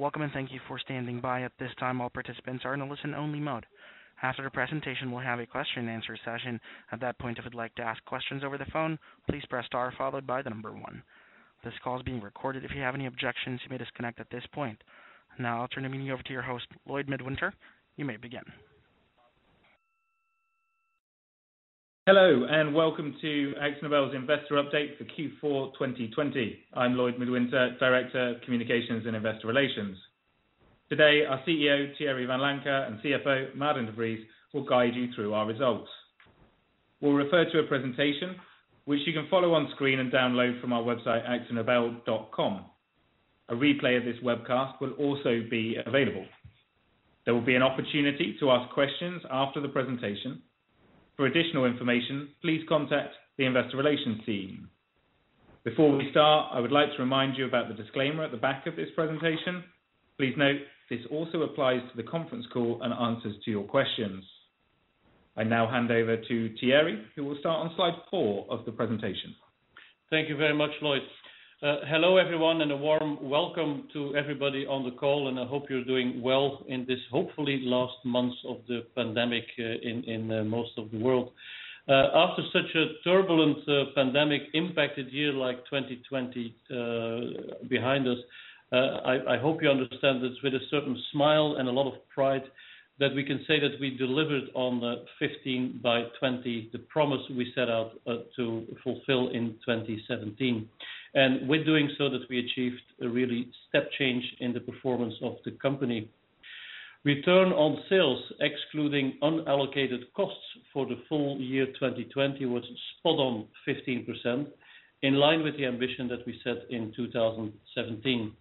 Welcome, and thank you for standing by. At this time, all participants are in a listen-only mode. After the presentation, we'll have a question and answer session. At that point, if you'd like to ask questions over the phone, please press star followed by the number one. This call is being recorded. If you have any objections, you may disconnect at this point. Now I'll turn the meeting over to your host, Lloyd Midwinter. You may begin. Hello, and welcome to AkzoNobel's investor update for Q4 2020. I'm Lloyd Midwinter, Director of Communications and Investor Relations. Today, our CEO, Thierry Vanlancker, and CFO, Maarten de Vries, will guide you through our results. We'll refer to a presentation, which you can follow on screen and download from our website, akzonobel.com. A replay of this webcast will also be available. There will be an opportunity to ask questions after the presentation. For additional information, please contact the investor relations team. Before we start, I would like to remind you about the disclaimer at the back of this presentation. Please note, this also applies to the conference call and answers to your questions. I now hand over to Thierry, who will start on slide four of the presentation. Thank you very much, Lloyd. Hello, everyone, and a warm welcome to everybody on the call, and I hope you're doing well in this hopefully last months of the pandemic in most of the world. After such a turbulent pandemic impacted year like 2020 behind us, I hope you understand that with a certain smile and a lot of pride that we can say that we delivered on the 15 by 20, the promise we set out to fulfill in 2017. With doing so that we achieved a really step change in the performance of the company. Return on sales, excluding unallocated costs for the full year 2020 was spot on 15%, in line with the ambition that we set in 2017.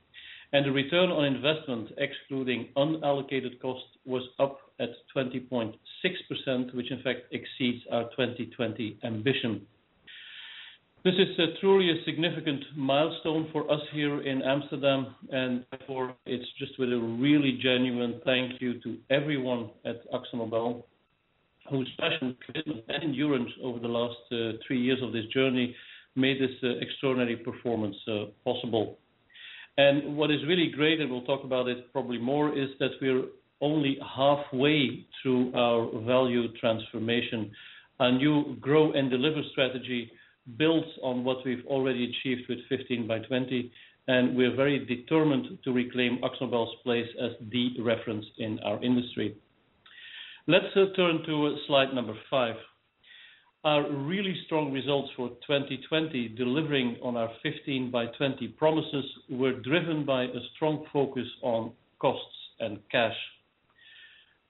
The Return on investment, excluding unallocated costs, was up at 20.6%, which in fact exceeds our 2020 ambition. This is truly a significant milestone for us here in Amsterdam, and therefore it's just with a really genuine thank you to everyone at AkzoNobel, whose passion, commitment, and endurance over the last three years of this journey made this extraordinary performance possible. What is really great, and we'll talk about it probably more, is that we're only halfway through our value transformation. Our new Grow & Deliver strategy builds on what we've already achieved with 15 by 20, and we're very determined to reclaim AkzoNobel's place as the reference in our industry. Let's turn to slide number five. Our really strong results for 2020, delivering on our 15 by 20 promises, were driven by a strong focus on costs and cash.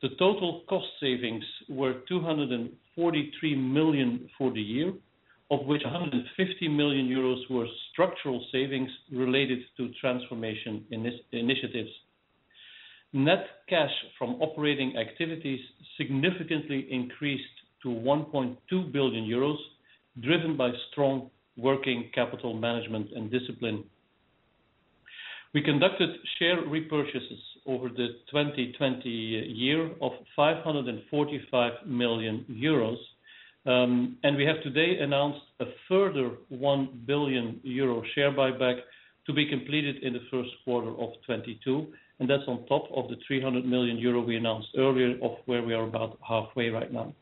The total cost savings were 243 million for the year, of which 150 million euros were structural savings related to transformation initiatives. Net cash from operating activities significantly increased to 1.2 billion euros, driven by strong working capital management and discipline. We conducted share repurchases over the 2020 year of 545 million euros, and we have today announced a further 1 billion euro share buyback to be completed in the first quarter of 2022, and that's on top of the 300 million euro we announced earlier of where we are about halfway right now.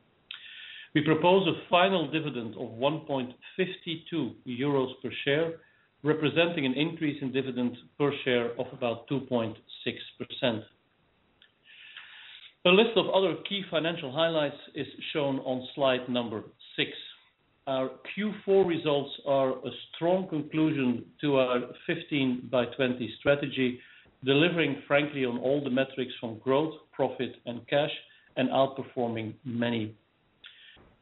We propose a final dividend of 1.52 euros per share, representing an increase in dividend per share of about 2.6%. A list of other key financial highlights is shown on slide number six. Our Q4 results are a strong conclusion to our 15 by 20 strategy, delivering frankly on all the metrics from growth, profit, and cash, and outperforming many.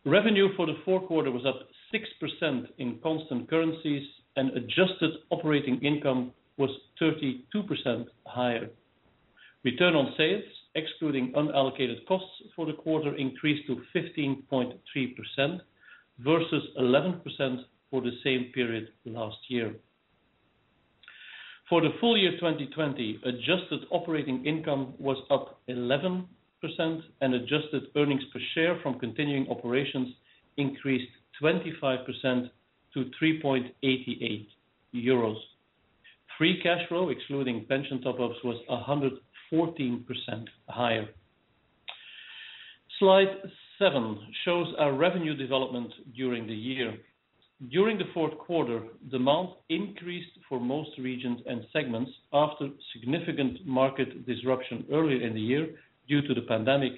Revenue for the fourth quarter was up 6% in constant currencies and adjusted operating income was 32% higher. Return on sales, excluding unallocated costs for the quarter increased to 15.3% versus 11% for the same period last year. For the full year 2020, adjusted operating income was up 11% and adjusted earnings per share from continuing operations increased 25% to 3.88 euros. Free cash flow, excluding pension top-ups, was 114% higher. Slide seven shows our revenue development during the year. During the fourth quarter, demand increased for most regions and segments after significant market disruption earlier in the year due to the pandemic.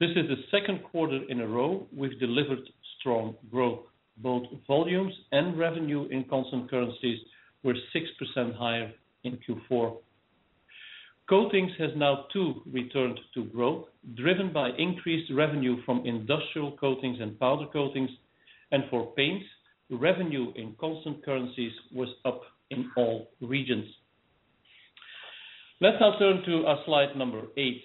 This is the second quarter in a row we've delivered strong growth. Both volumes and revenue in constant currencies were 6% higher in Q4. Coatings has now too returned to growth, driven by increased revenue from industrial coatings and powder coatings. For paints, revenue in constant currencies was up in all regions. Let's now turn to slide number eight.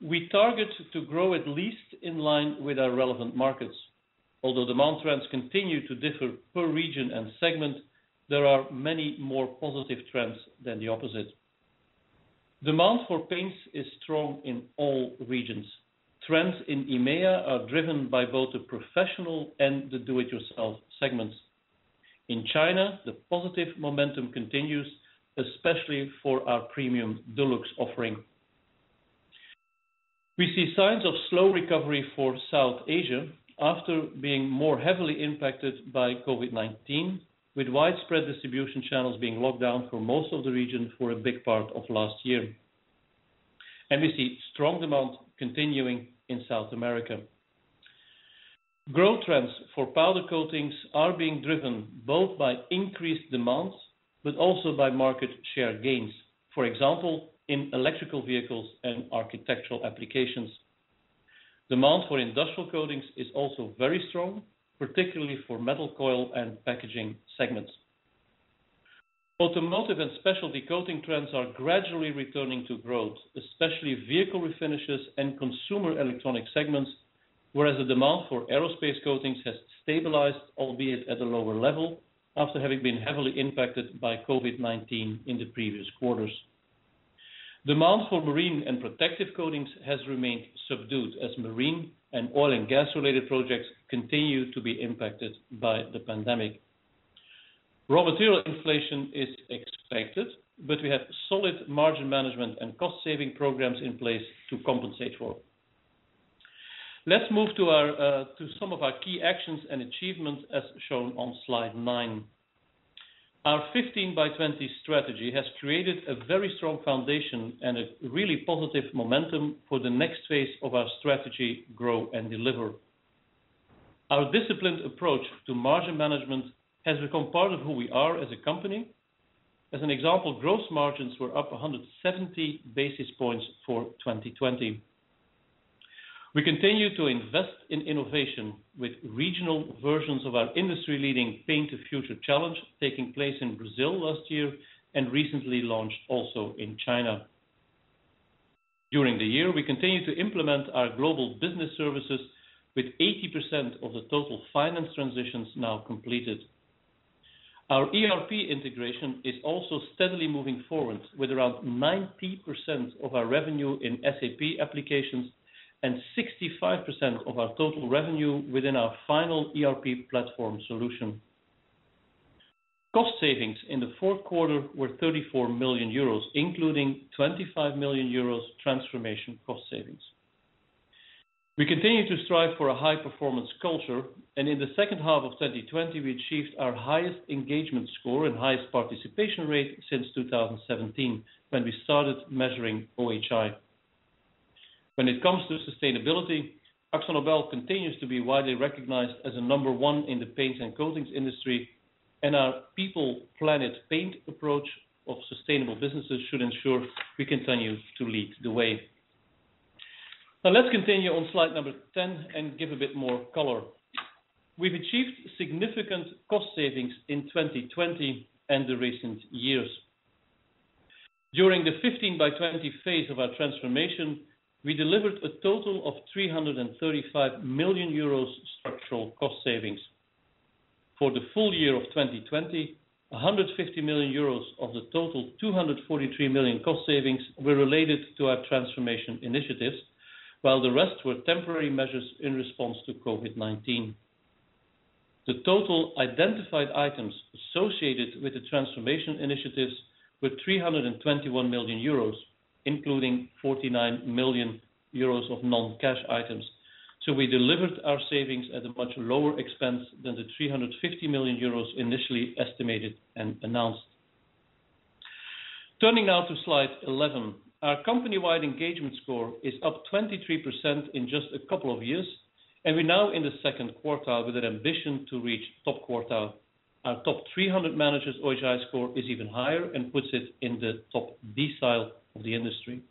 We target to grow at least in line with our relevant markets. Although demand trends continue to differ per region and segment, there are many more positive trends than the opposite. Demand for paints is strong in all regions. Trends in EMEA are driven by both the professional and the do-it-yourself segments. In China, the positive momentum continues, especially for our premium Dulux offering. We see signs of slow recovery for South Asia after being more heavily impacted by COVID-19, with widespread distribution channels being locked down for most of the region for a big part of last year. We see strong demand continuing in South America. Growth trends for powder coatings are being driven both by increased demands, but also by market share gains. For example, in electrical vehicles and architectural applications. Demand for industrial coatings is also very strong, particularly for metal coil and packaging segments. Automotive and specialty coating trends are gradually returning to growth, especially vehicle refinishes and consumer electronic segments, whereas the demand for aerospace coatings has stabilized, albeit at a lower level, after having been heavily impacted by COVID-19 in the previous quarters. Demand for marine and protective coatings has remained subdued as marine and oil and gas related projects continue to be impacted by the pandemic. Raw material inflation is expected, but we have solid margin management and cost saving programs in place to compensate for it. Let's move to some of our key actions and achievements as shown on slide nine. Our 15 by 20 strategy has created a very strong foundation and a really positive momentum for the next phase of our strategy, Grow & Deliver. Our disciplined approach to margin management has become part of who we are as a company. As an example, gross margins were up 170 basis points for 2020. We continue to invest in innovation with regional versions of our industry leading Paint the Future challenge taking place in Brazil last year and recently launched also in China. During the year, we continued to implement our global business services with 80% of the total finance transitions now completed. Our ERP integration is also steadily moving forward with around 90% of our revenue in SAP applications and 65% of our total revenue within our final ERP platform solution. Cost savings in the fourth quarter were 34 million euros, including 25 million euros transformation cost savings. We continue to strive for a high performance culture, and in the second half of 2020, we achieved our highest engagement score and highest participation rate since 2017, when we started measuring OHI. When it comes to sustainability, AkzoNobel continues to be widely recognized as a number one in the paints and coatings industry, and our People. Planet. Paint. approach of sustainable businesses should ensure we continue to lead the way. Let's continue on slide number 10 and give a bit more color. We've achieved significant cost savings in 2020 and the recent years. During the 15 by 20 phase of our transformation, we delivered a total of 335 million euros structural cost savings. For the full year of 2020, 150 million euros of the total 243 million cost savings were related to our transformation initiatives, while the rest were temporary measures in response to COVID-19. The total identified items associated with the transformation initiatives were 321 million euros, including 49 million euros of non-cash items. We delivered our savings at a much lower expense than the 350 million euros initially estimated and announced. Turning now to slide 11. Our company-wide engagement score is up 23% in just a couple of years, and we're now in the second quartile with an ambition to reach top quartile. Our top 300 managers' OHI score is even higher and puts it in the top decile of the industry.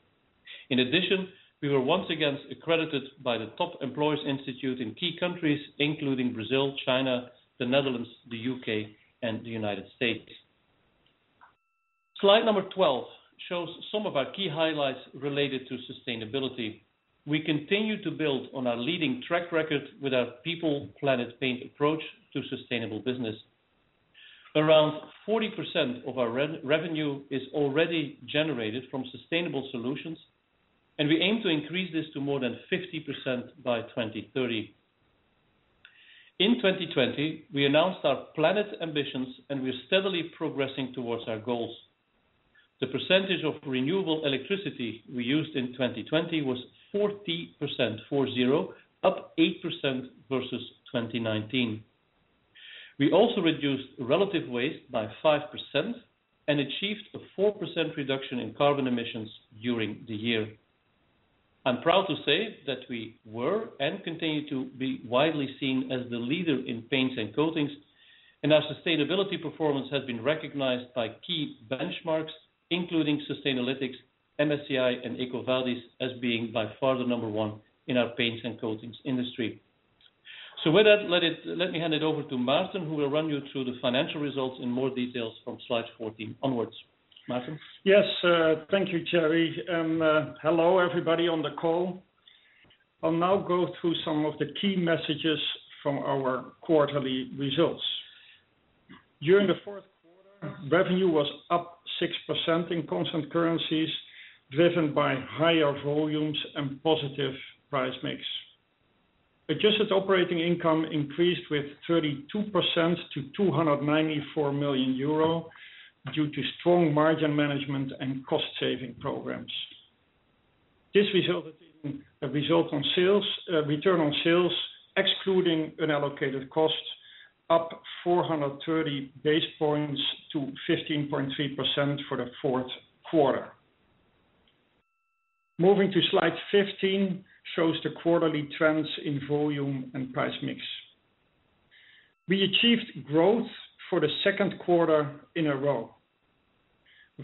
In addition, we were once again accredited by the Top Employers Institute in key countries including Brazil, China, the Netherlands, the U.K., and the United States. Slide 12 shows some of our key highlights related to sustainability. We continue to build on our leading track record with our People. Planet. Paint. approach to sustainable business. Around 40% of our revenue is already generated from sustainable solutions, and we aim to increase this to more than 50% by 2030. In 2020, we announced our planet ambitions, and we are steadily progressing towards our goals. The percentage of renewable electricity we used in 2020 was 40%, four zero, up 8% versus 2019. We also reduced relative waste by 5% and achieved a 4% reduction in carbon emissions during the year. I'm proud to say that we were, and continue to be widely seen as the leader in paints and coatings, and our sustainability performance has been recognized by key benchmarks, including Sustainalytics, MSCI, and EcoVadis, as being by far the number one in our paints and coatings industry. With that, let me hand it over to Maarten, who will run you through the financial results in more details from slide 14 onwards. Maarten? Yes, thank you, Thierry. Hello, everybody on the call. I'll now go through some of the key messages from our quarterly results. During the fourth quarter, revenue was up 6% in constant currencies, driven by higher volumes and positive price mix. Adjusted operating income increased with 32% to 294 million euro, due to strong margin management and cost-saving programs. This resulted in a return on sales, excluding unallocated costs, up 430 basis points to 15.3% for the fourth quarter. Moving to slide 15, shows the quarterly trends in volume and price mix. We achieved growth for the second quarter in a row.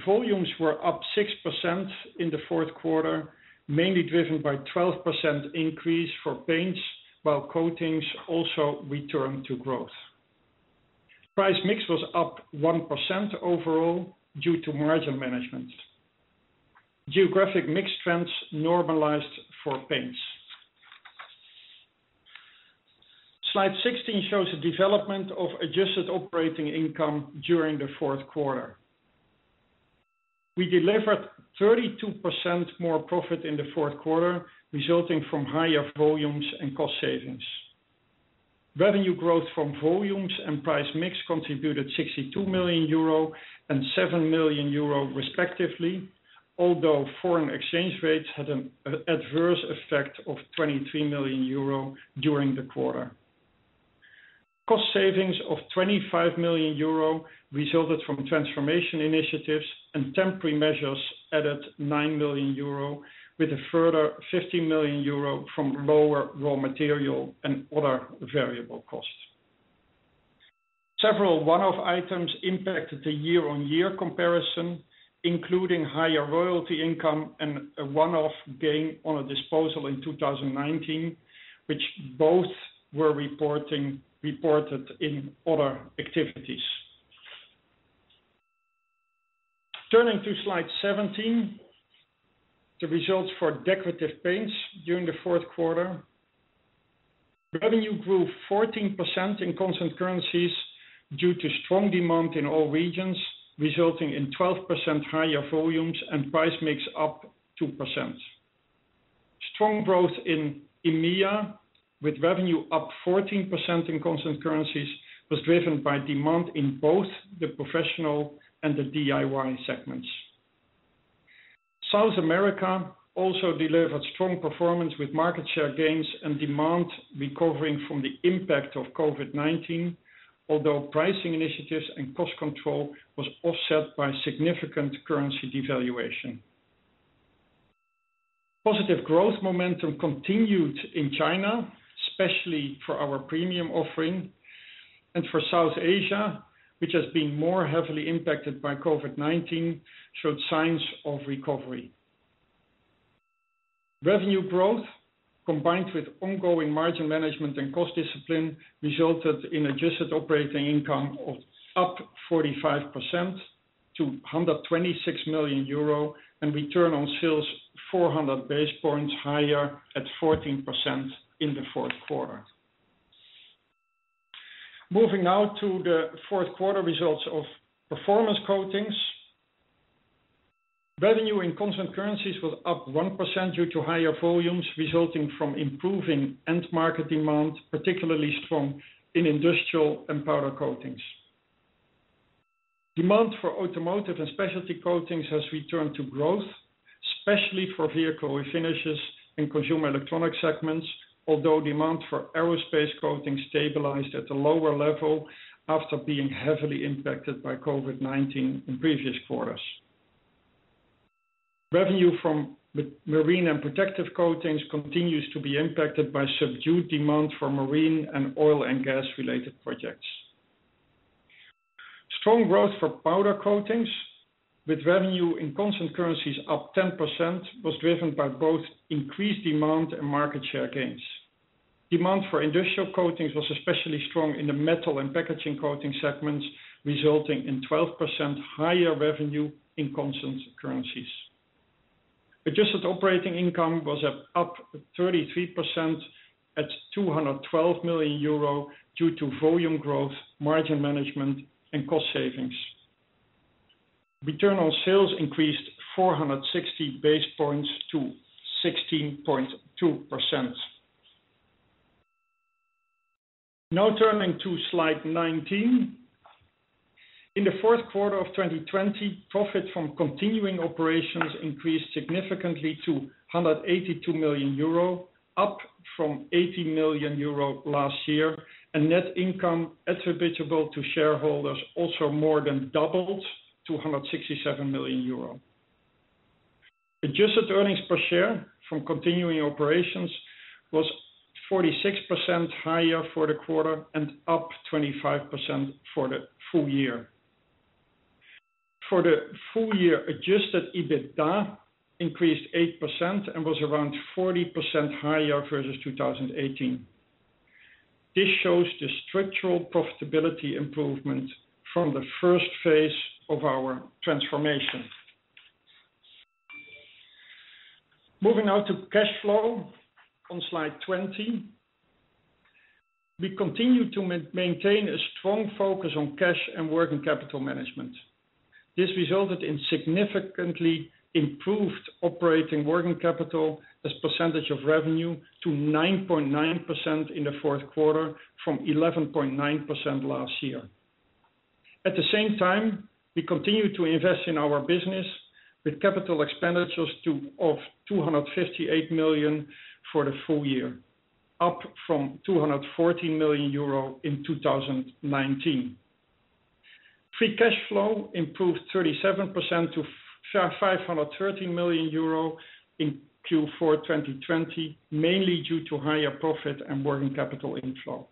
Volumes were up 6% in the fourth quarter, mainly driven by 12% increase for paints, while coatings also returned to growth. Price mix was up 1% overall due to margin management. Geographic mix trends normalized for paints. Slide 16 shows the development of adjusted operating income during the fourth quarter. We delivered 32% more profit in the fourth quarter, resulting from higher volumes and cost savings. Revenue growth from volumes and price mix contributed 62 million euro and 7 million euro respectively, although foreign exchange rates had an adverse effect of 23 million euro during the quarter. Cost savings of 25 million euro resulted from transformation initiatives and temporary measures added 9 million euro with a further 15 million euro from lower raw material and other variable costs. Several one-off items impacted the year-over-year comparison, including higher royalty income and a one-off gain on a disposal in 2019, which both were reported in other activities. Turning to slide 17, the results for decorative paints during the fourth quarter. Revenue grew 14% in constant currencies due to strong demand in all regions, resulting in 12% higher volumes and price mix up 2%. Strong growth in EMEA with revenue up 14% in constant currencies, was driven by demand in both the professional and the DIY segments. South America also delivered strong performance with market share gains and demand recovering from the impact of COVID-19, although pricing initiatives and cost control was offset by significant currency devaluation. Positive growth momentum continued in China, especially for our premium offering, and for South Asia, which has been more heavily impacted by COVID-19, showed signs of recovery. Revenue growth, combined with ongoing margin management and cost discipline, resulted in adjusted operating income of up 45% to 126 million euro and return on sales 400 basis points higher at 14% in the fourth quarter. Moving now to the fourth quarter results of performance coatings. Revenue in constant currencies was up 1% due to higher volumes resulting from improving end market demand, particularly strong in industrial and powder coatings. Demand for automotive and specialty coatings has returned to growth, especially for vehicle refinishes and consumer electronic segments, although demand for aerospace coatings stabilized at a lower level after being heavily impacted by COVID-19 in previous quarters. Revenue from marine and protective coatings continues to be impacted by subdued demand for marine and oil and gas related projects. Strong growth for powder coatings with revenue in constant currencies up 10%, was driven by both increased demand and market share gains. Demand for industrial coatings was especially strong in the metal and packaging coating segments, resulting in 12% higher revenue in constant currencies. Adjusted operating income was up 33% at 212 million euro due to volume growth, margin management and cost savings. Return on sales increased 460 basis points to 16.2%. Now turning to slide 19. In the fourth quarter of 2020, profit from continuing operations increased significantly to 182 million euro, up from 80 million euro last year, and net income attributable to shareholders also more than doubled to 167 million euro. Adjusted earnings per share from continuing operations was 46% higher for the quarter and up 25% for the full year. For the full year, adjusted EBITDA increased 8% and was around 40% higher versus 2018. This shows the structural profitability improvement from the first phase of our transformation. Moving now to cash flow on slide 20. We continue to maintain a strong focus on cash and working capital management. This resulted in significantly improved operating working capital as a percentage of revenue to 9.9% in the fourth quarter from 11.9% last year. At the same time, we continue to invest in our business with capital expenditures of 258 million for the full year, up from 214 million euro in 2019. Free cash flow improved 37% to 530 million euro in Q4 2020, mainly due to higher profit and working capital inflow.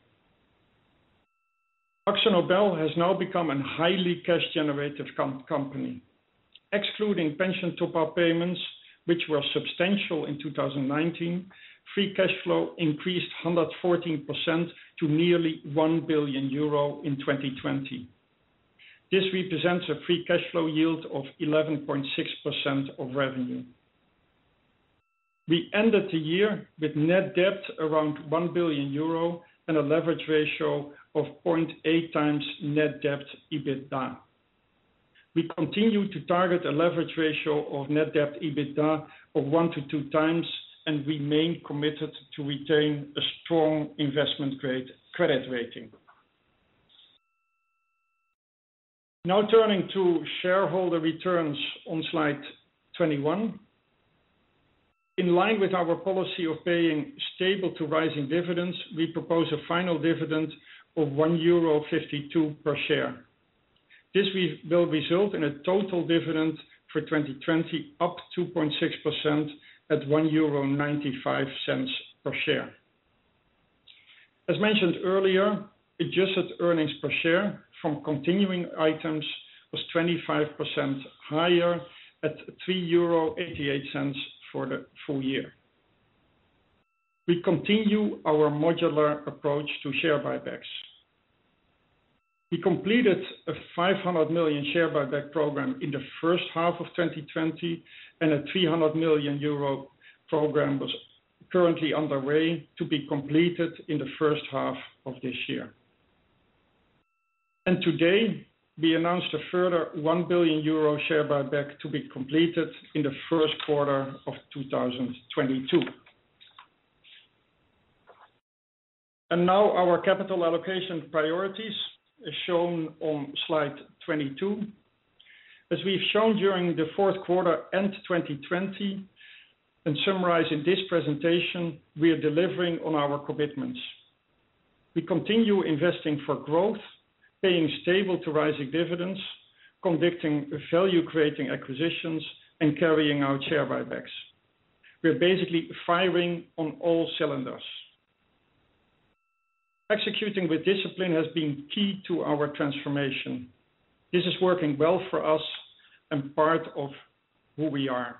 AkzoNobel has now become a highly cash generative company. Excluding pension top-up payments, which were substantial in 2019, free cash flow increased 114% to nearly 1 billion euro in 2020. This represents a free cash flow yield of 11.6% of revenue. We ended the year with net debt around 1 billion euro and a leverage ratio of 0.8x net debt EBITDA. We continue to target a leverage ratio of net debt EBITDA of 1x-2x and remain committed to retain a strong investment credit rating. Now turning to shareholder returns on slide 21. In line with our policy of paying stable to rising dividends, we propose a final dividend of 1.52 euro per share. This will result in a total dividend for 2020 up 2.6% at 1.95 euro per share. As mentioned earlier, adjusted earnings per share from continuing items was 25% higher at 3.88 euro for the full year. We continue our modular approach to share buybacks. We completed a 500 million share buyback program in the first half of 2020. A 300 million euro program was currently underway to be completed in the first half of this year. Today, we announced a further 1 billion euro share buyback to be completed in the first quarter of 2022. Now our capital allocation priorities, as shown on slide 22. As we've shown during the fourth quarter and 2020, and summarized in this presentation, we are delivering on our commitments. We continue investing for growth, paying stable to rising dividends, conducting value-creating acquisitions, and carrying out share buybacks. We are basically firing on all cylinders. Executing with discipline has been key to our transformation. This is working well for us and part of who we are.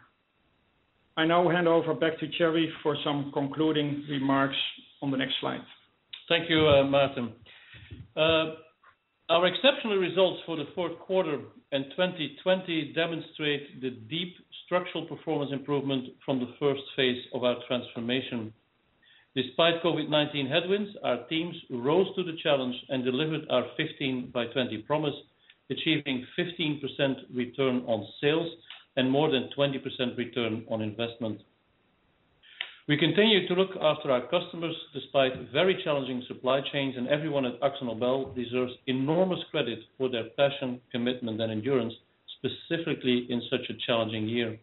I now hand over back to Thierry for some concluding remarks on the next slide. Thank you, Maarten. Our exceptional results for the fourth quarter and 2020 demonstrate the deep structural performance improvement from the first phase of our transformation. Despite COVID-19 headwinds, our teams rose to the challenge and delivered our 15 by 20 promise, achieving 15% return on sales and more than 20% return on investment. We continue to look after our customers despite very challenging supply chains. Everyone at AkzoNobel deserves enormous credit for their passion, commitment, and endurance, specifically in such a challenging year.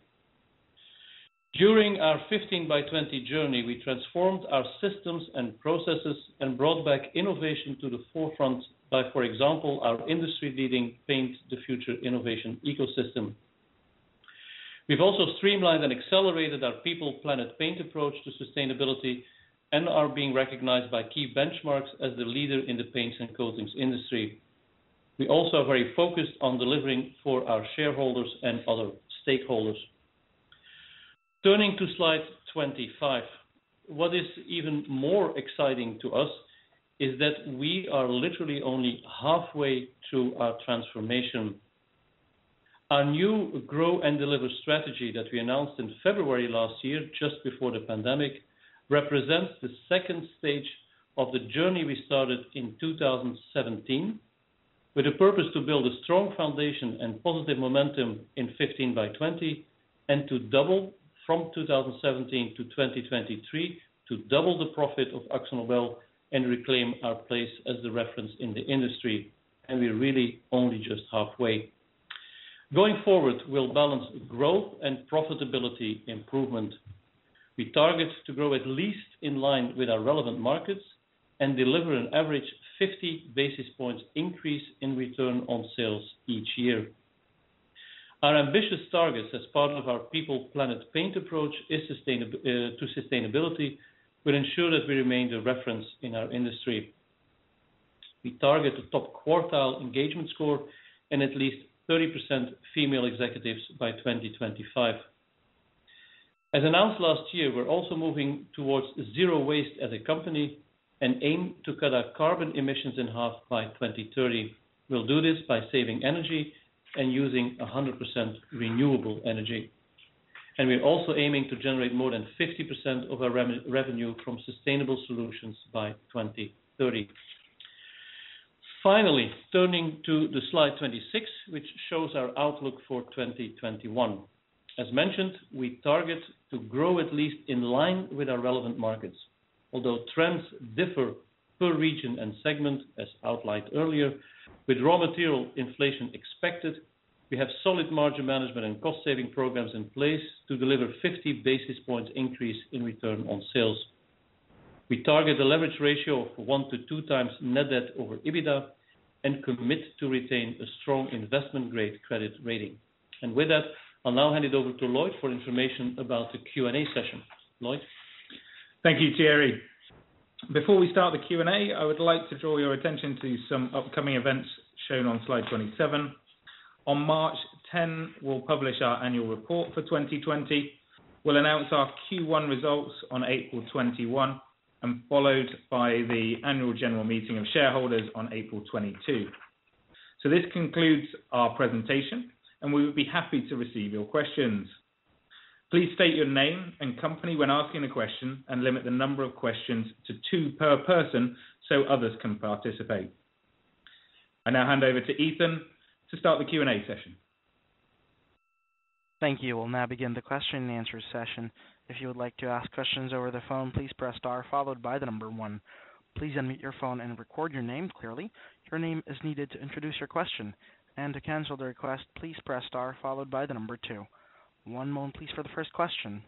During our 15 by 20 journey, we transformed our systems and processes and brought back innovation to the forefront by, for example, our industry-leading Paint the Future innovation ecosystem. We've also streamlined and accelerated our People. Planet. Paint. approach to sustainability and are being recognized by key benchmarks as the leader in the paints and coatings industry. We also are very focused on delivering for our shareholders and other stakeholders. Turning to slide 25. What is even more exciting to us is that we are literally only halfway through our transformation. Our new Grow & Deliver strategy that we announced in February last year, just before the pandemic, represents the second stage of the journey we started in 2017 with a purpose to build a strong foundation and positive momentum in 15 by 20, and to double from 2017 to 2023, to double the profit of AkzoNobel and reclaim our place as the reference in the industry, and we're really only just halfway. Going forward, we'll balance growth and profitability improvement. We target to grow at least in line with our relevant markets and deliver an average 50 basis points increase in return on sales each year. Our ambitious targets as part of our People. Planet. Paint. approach to sustainability will ensure that we remain the reference in our industry. We target a top quartile engagement score and at least 30% female executives by 2025. As announced last year, we're also moving towards zero waste as a company. Aim to cut our carbon emissions in half by 2030. We'll do this by saving energy and using 100% renewable energy. We're also aiming to generate more than 50% of our revenue from sustainable solutions by 2030. Finally, turning to the slide 26, which shows our outlook for 2021. As mentioned, we target to grow at least in line with our relevant markets. Although trends differ per region and segment, as outlined earlier, with raw material inflation expected, we have solid margin management and cost-saving programs in place to deliver 50 basis point increase in return on sales. We target a leverage ratio of 1x-2x net debt over EBITDA and commit to retain a strong investment-grade credit rating. With that, I'll now hand it over to Lloyd for information about the Q&A session. Lloyd? Thank you, Thierry. Before we start the Q&A, I would like to draw your attention to some upcoming events shown on slide 27. On March 10, we'll publish our annual report for 2020. We'll announce our Q1 results on April 21, and followed by the annual general meeting of shareholders on April 22. This concludes our presentation, and we would be happy to receive your questions. Please state your name and company when asking a question and limit the number of questions to two per person so others can participate. I now hand over to Ethan to start the Q&A session. Thank you. We'll now begin the question and answer session. If you would like to ask questions over the phone, please press star followed by the number one. Please unmute your phone and record your name clearly. Your name is needed to introduce your question. To cancel the request, please press star followed by the number two. One moment please for the first question.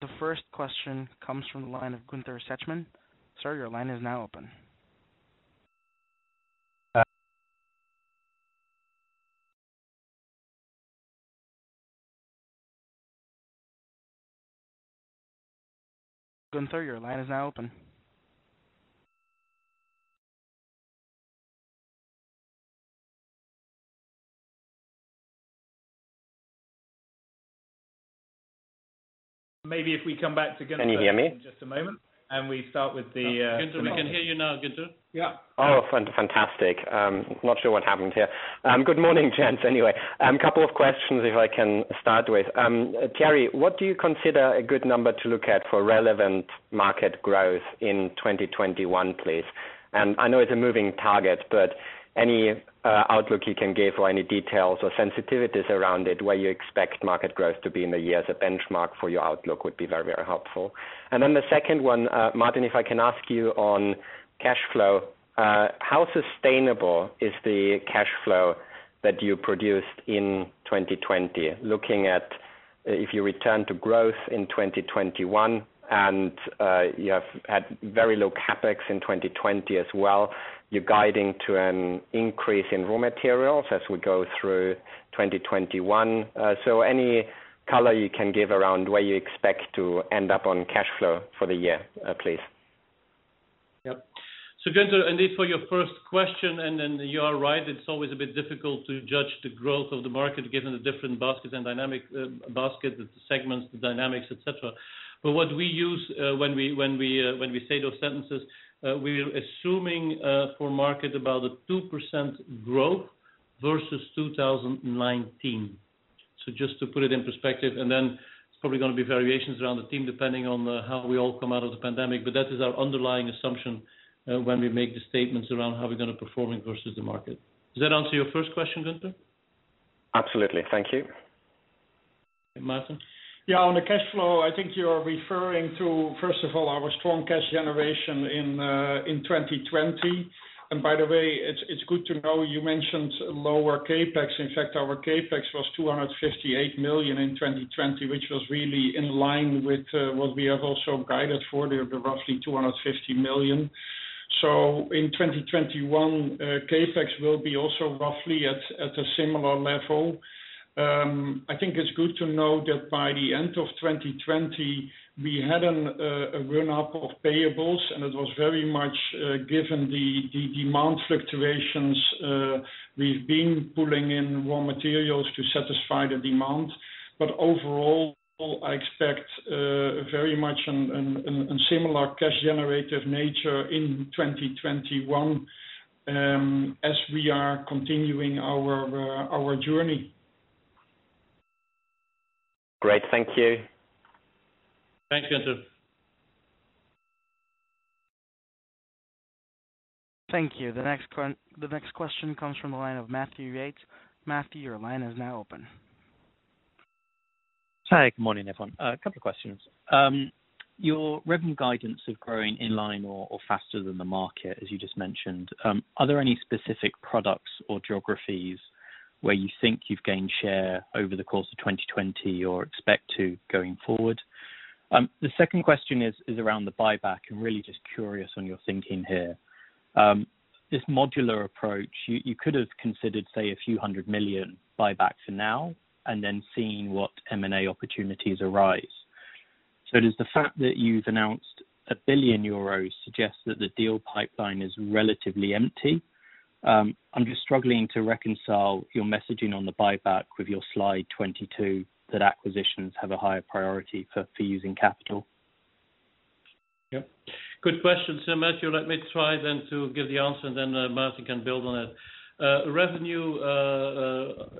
The first question comes from the line of Gunther Zechmann. Sir, your line is now open. Gunther, your line is now open. Maybe if we come back to Gunther. Can you hear me? In just a moment, we start with. Gunther, we can hear you now, Gunther. Yeah. Oh, fantastic. Not sure what happened here. Good morning, gents, anyway. Couple of questions if I can start with. Thierry, what do you consider a good number to look at for relevant market growth in 2021, please? I know it's a moving target, any outlook you can give or any details or sensitivities around it, where you expect market growth to be in the year as a benchmark for your outlook would be very helpful. The second one, Maarten, if I can ask you on cash flow. How sustainable is the cash flow that you produced in 2020? Looking at if you return to growth in 2021 and you have had very low CapEx in 2020 as well, you're guiding to an increase in raw materials as we go through 2021. Any color you can give around where you expect to end up on cash flow for the year, please? Yep. Gunther, indeed for your first question, and then you are right, it's always a bit difficult to judge the growth of the market given the different basket and dynamic basket, the segments, the dynamics, et cetera. What we use when we say those sentences, we're assuming for market about a 2% growth versus 2019. Just to put it in perspective, and then it's probably going to be variations around the team depending on how we all come out of the pandemic, but that is our underlying assumption when we make the statements around how we're going to perform versus the market. Does that answer your first question, Gunther? Absolutely. Thank you. Maarten? On the cash flow, I think you are referring to, first of all, our strong cash generation in 2020. By the way, it's good to know you mentioned lower CapEx. In fact, our CapEx was 258 million in 2020, which was really in line with what we have also guided for, the roughly 250 million. In 2021, CapEx will be also roughly at a similar level. I think it's good to know that by the end of 2020, we had a run-up of payables, and it was very much given the demand fluctuations. We've been pulling in raw materials to satisfy the demand. Overall, I expect very much a similar cash generative nature in 2021, as we are continuing our journey. Great. Thank you. Thanks, Gunther. Thank you. The next question comes from the line of Matthew Yates. Matthew, your line is now open. Hi, good morning, everyone. A couple of questions. Your revenue guidance of growing in line or faster than the market, as you just mentioned. Are there any specific products or geographies where you think you've gained share over the course of 2020 or expect to going forward? The second question is around the buyback and really just curious on your thinking here. This modular approach, you could have considered, say, a few hundred million buybacks for now and then seeing what M&A opportunities arise. Does the fact that you've announced 1 billion euros suggest that the deal pipeline is relatively empty? I'm just struggling to reconcile your messaging on the buyback with your slide 22, that acquisitions have a higher priority for using capital. Yep. Good question, sir Matthew. Let me try then to give the answer, then Maarten can build on it. Revenue,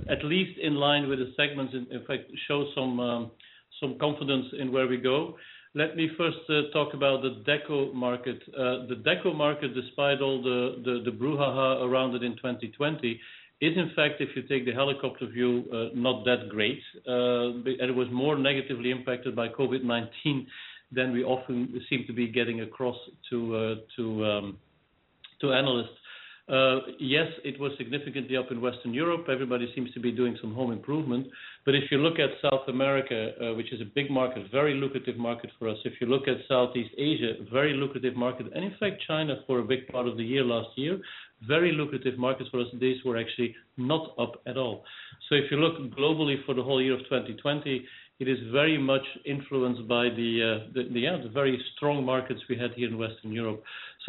at least in line with the segments, in fact, shows some confidence in where we go. Let me first talk about the deco market. The deco market, despite all the brouhaha around it in 2020, is, in fact, if you take the helicopter view, not that great. It was more negatively impacted by COVID-19 than we often seem to be getting across to analysts. Yes, it was significantly up in Western Europe. Everybody seems to be doing some home improvement. If you look at South America, which is a big market, very lucrative market for us. If you look at Southeast Asia, very lucrative market. In fact, China, for a big part of the year last year, very lucrative markets for us. These were actually not up at all. If you look globally for the whole year of 2020, it is very much influenced by the very strong markets we had here in Western Europe.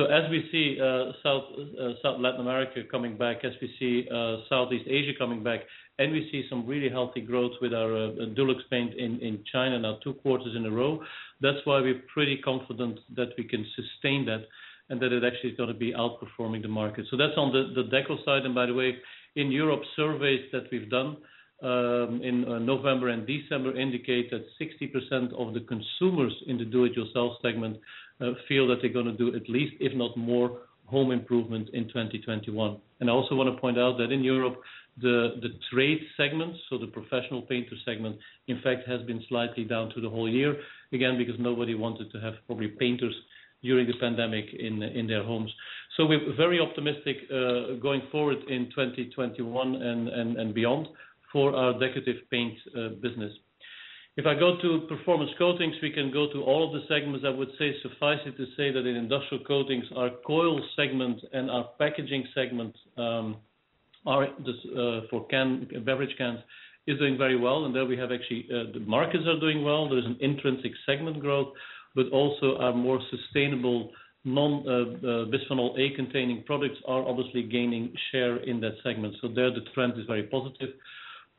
As we see South Latin America coming back, as we see Southeast Asia coming back, and we see some really healthy growth with our Dulux paint in China now two quarters in a row. That's why we're pretty confident that we can sustain that and that it actually is going to be outperforming the market. That's on the deco side. By the way, in Europe, surveys that we've done in November and December indicate that 60% of the consumers in the do-it-yourself segment feel that they're going to do at least, if not more, home improvement in 2021. I also want to point out that in Europe, the trade segment, so the professional painter segment, in fact, has been slightly down through the whole year, again, because nobody wanted to have probably painters during the pandemic in their homes. We're very optimistic going forward in 2021 and beyond for our decorative paints business. If I go to performance coatings, we can go to all of the segments. I would say suffice it to say that in industrial coatings, our coil segment and our packaging segment for beverage cans is doing very well. There we have actually, the markets are doing well. There is an intrinsic segment growth, but also our more sustainable non-bisphenol A containing products are obviously gaining share in that segment. There the trend is very positive.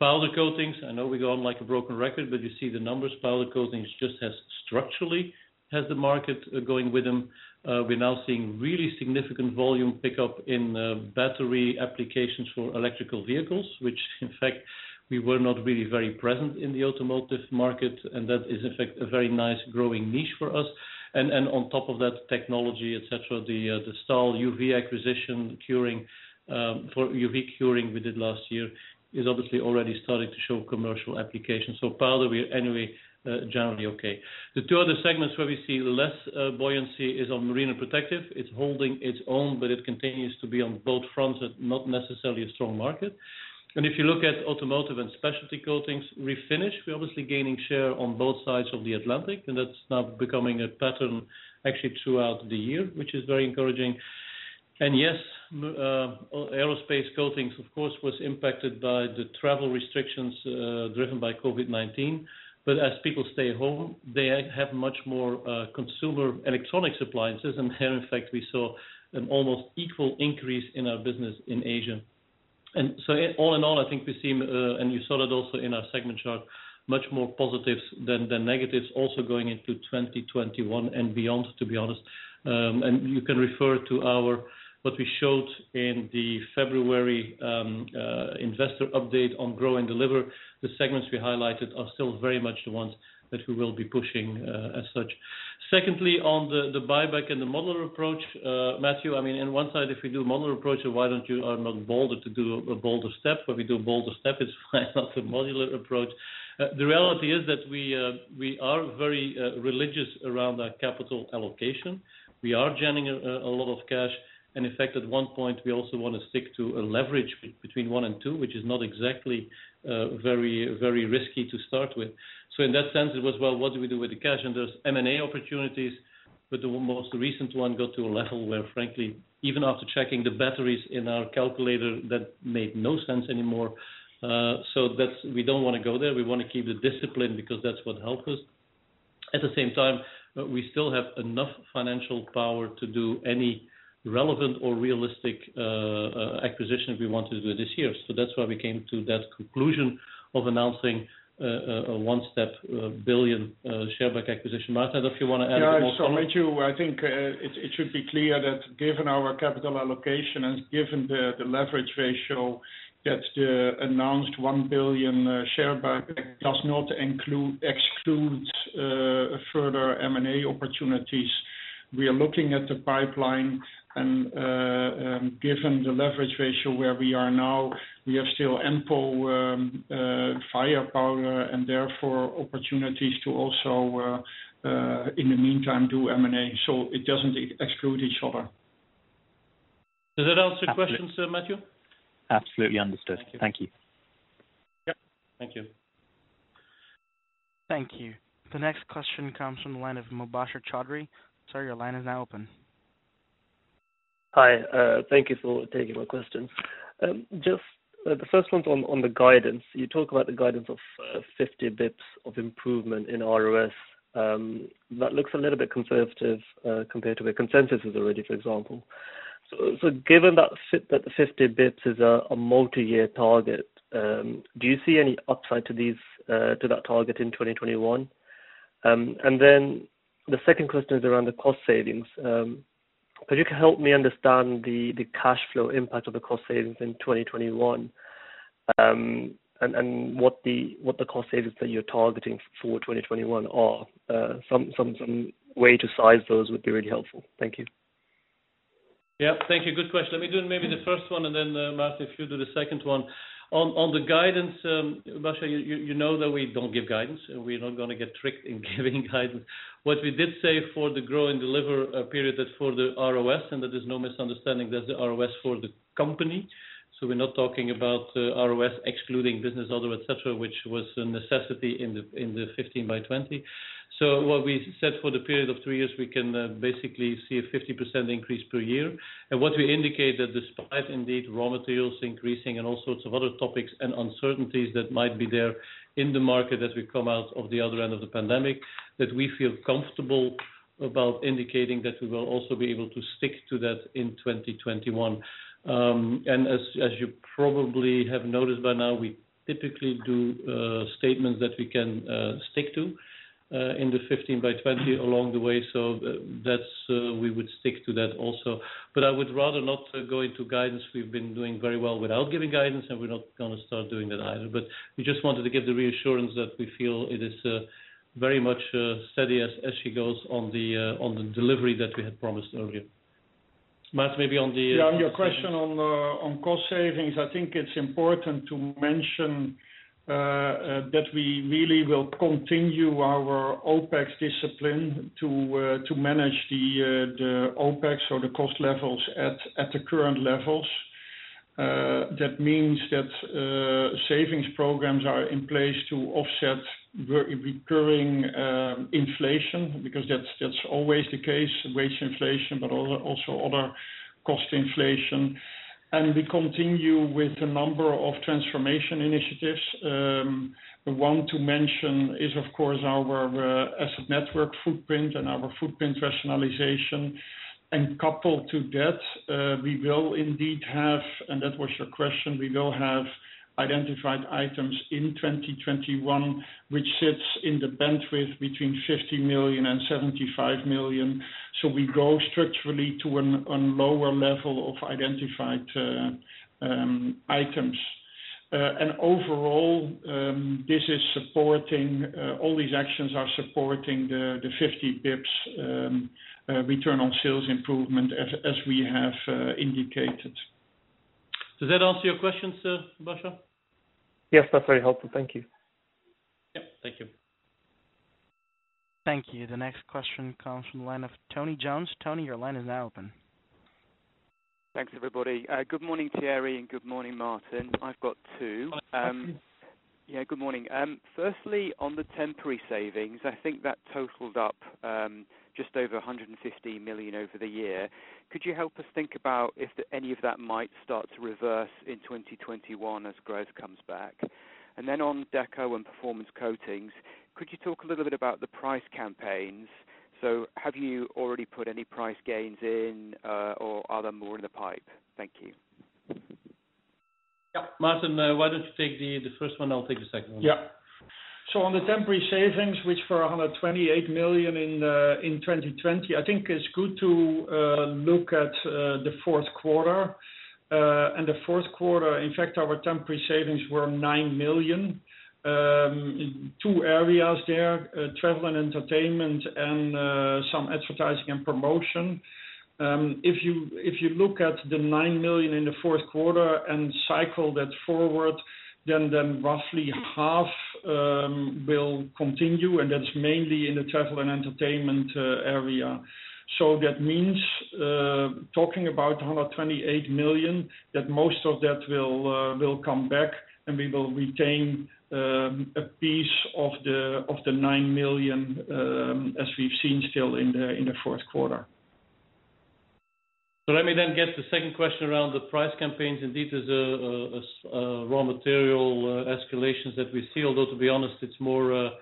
Powder coatings, I know we go on like a broken record, but you see the numbers. Powder coatings just structurally has the market going with them. We're now seeing really significant volume pickup in battery applications for electrical vehicles, which in fact, we were not really very present in the automotive market. That is in fact a very nice growing niche for us. On top of that technology, et cetera, the Stahl UV acquisition for UV curing we did last year, is obviously already starting to show commercial application. Powder, we're anyway, generally okay. The two other segments where we see less buoyancy is on marine and protective. It's holding its own. It continues to be on both fronts, not necessarily a strong market. If you look at automotive and specialty coatings, refinish, we're obviously gaining share on both sides of the Atlantic, and that's now becoming a pattern actually throughout the year, which is very encouraging. Yes, aerospace coatings, of course, was impacted by the travel restrictions driven by COVID-19. As people stay home, they have much more consumer electronics appliances, and here, in fact, we saw an almost equal increase in our business in Asia. So all in all, I think we see, and you saw that also in our segment chart, much more positives than negatives also going into 2021 and beyond, to be honest. You can refer to what we showed in the February investor update on Grow & Deliver. The segments we highlighted are still very much the ones that we will be pushing as such. Secondly, on the buyback and the modular approach, Matthew, in one side, if we do modular approach, why are you not bolder to do a bolder step? When we do a bolder step, it's not a modular approach. The reality is that we are very religious around our capital allocation. We are generating a lot of cash, and in fact, at one point, we also want to stick to a leverage between 1x and 2x, which is not exactly very risky to start with. In that sense, it was, well, what do we do with the cash? There's M&A opportunities, but the most recent one got to a level where, frankly, even after checking the batteries in our calculator, that made no sense anymore. We don't want to go there. We want to keep the discipline because that's what helped us. At the same time, we still have enough financial power to do any relevant or realistic acquisition we want to do this year. That's why we came to that conclusion of announcing a one-step 1 billion share buyback acquisition. Maarten, I don't know if you want to add more to that. Yeah. Matthew, I think it should be clear that given our capital allocation and given the leverage ratio that announced 1 billion share buyback does not exclude further M&A opportunities. We are looking at the pipeline, and given the leverage ratio where we are now, we have still ample firepower and therefore opportunities to also, in the meantime, do M&A. It doesn't exclude each other. Does that answer your question, sir Matthew? Absolutely understood. Thank you. Yep. Thank you. Thank you. The next question comes from the line of Mobasher Choudhary. Sir, your line is now open. Hi. Thank you for taking my question. Just the first one's on the guidance. You talk about the guidance of 50 basis points of improvement in ROS. That looks a little bit conservative compared to where consensus is already, for example. Given that the 50 basis points is a multi-year target, do you see any upside to that target in 2021? Then the second question is around the cost savings. Could you help me understand the cash flow impact of the cost savings in 2021? What the cost savings that you're targeting for 2021 are. Some way to size those would be really helpful. Thank you. Yeah, thank you. Good question. Let me do maybe the first one, and then, Maarten, if you do the second one. On the guidance, Basher, you know that we don't give guidance, and we're not going to get tricked in giving guidance. What we did say for the Grow & Deliver period, that's for the ROS, and that there's no misunderstanding, that's the ROS for the company. We're not talking about ROS excluding business, although et cetera, which was a necessity in the 15 by 20. What we said for the period of three years, we can basically see a 50% increase per year. What we indicate that despite indeed raw materials increasing and all sorts of other topics and uncertainties that might be there in the market as we come out of the other end of the pandemic, that we feel comfortable about indicating that we will also be able to stick to that in 2021. As you probably have noticed by now, we typically do statements that we can stick to, in the 15 by 20 along the way. We would stick to that also. I would rather not go into guidance. We've been doing very well without giving guidance, and we're not going to start doing that either. We just wanted to give the reassurance that we feel it is very much steady as she goes on the delivery that we had promised earlier. Maarten, maybe on the- Yeah, on your question on cost savings, I think it's important to mention that we really will continue our OpEx discipline to manage the OpEx or the cost levels at the current levels. That means that savings programs are in place to offset recurring inflation, because that's always the case, wage inflation, but also other cost inflation. We continue with a number of transformation initiatives. One to mention is, of course, our asset network footprint and our footprint rationalization. Coupled to that, we will indeed have, and that was your question, we will have identified items in 2021, which sits in the bandwidth between 50 million and 75 million. We go structurally to a lower level of identified items. Overall, all these actions are supporting the 50 basis points return on sales improvement as we have indicated. Does that answer your question, sir Basher? Yes, that's very helpful. Thank you. Yep, thank you. Thank you. The next question comes from the line of Tony Jones. Tony, your line is now open. Thanks, everybody. Good morning, Thierry, and good morning, Maarten. I've got two. Good morning. Good morning. On the temporary savings, I think that totaled up just over 150 million over the year. Could you help us think about if any of that might start to reverse in 2021 as growth comes back? On deco and performance coatings, could you talk a little bit about the price campaigns? Have you already put any price gains in, or are there more in the pipe? Thank you. Yeah. Maarten, why don't you take the first one? I'll take the second one. On the temporary savings, which were 128 million in 2020, I think it's good to look at the fourth quarter. The fourth quarter, in fact, our temporary savings were 9 million. Two areas there, travel and entertainment and some advertising and promotion. If you look at the 9 million in the fourth quarter and cycle that forward, roughly half will continue, and that's mainly in the travel and entertainment area. That means, talking about 128 million, that most of that will come back and we will retain a piece of the 9 million, as we've seen still in the fourth quarter. Let me then get the second question around the price campaigns. Indeed, there's raw material escalations that we see. Although, to be honest, it's more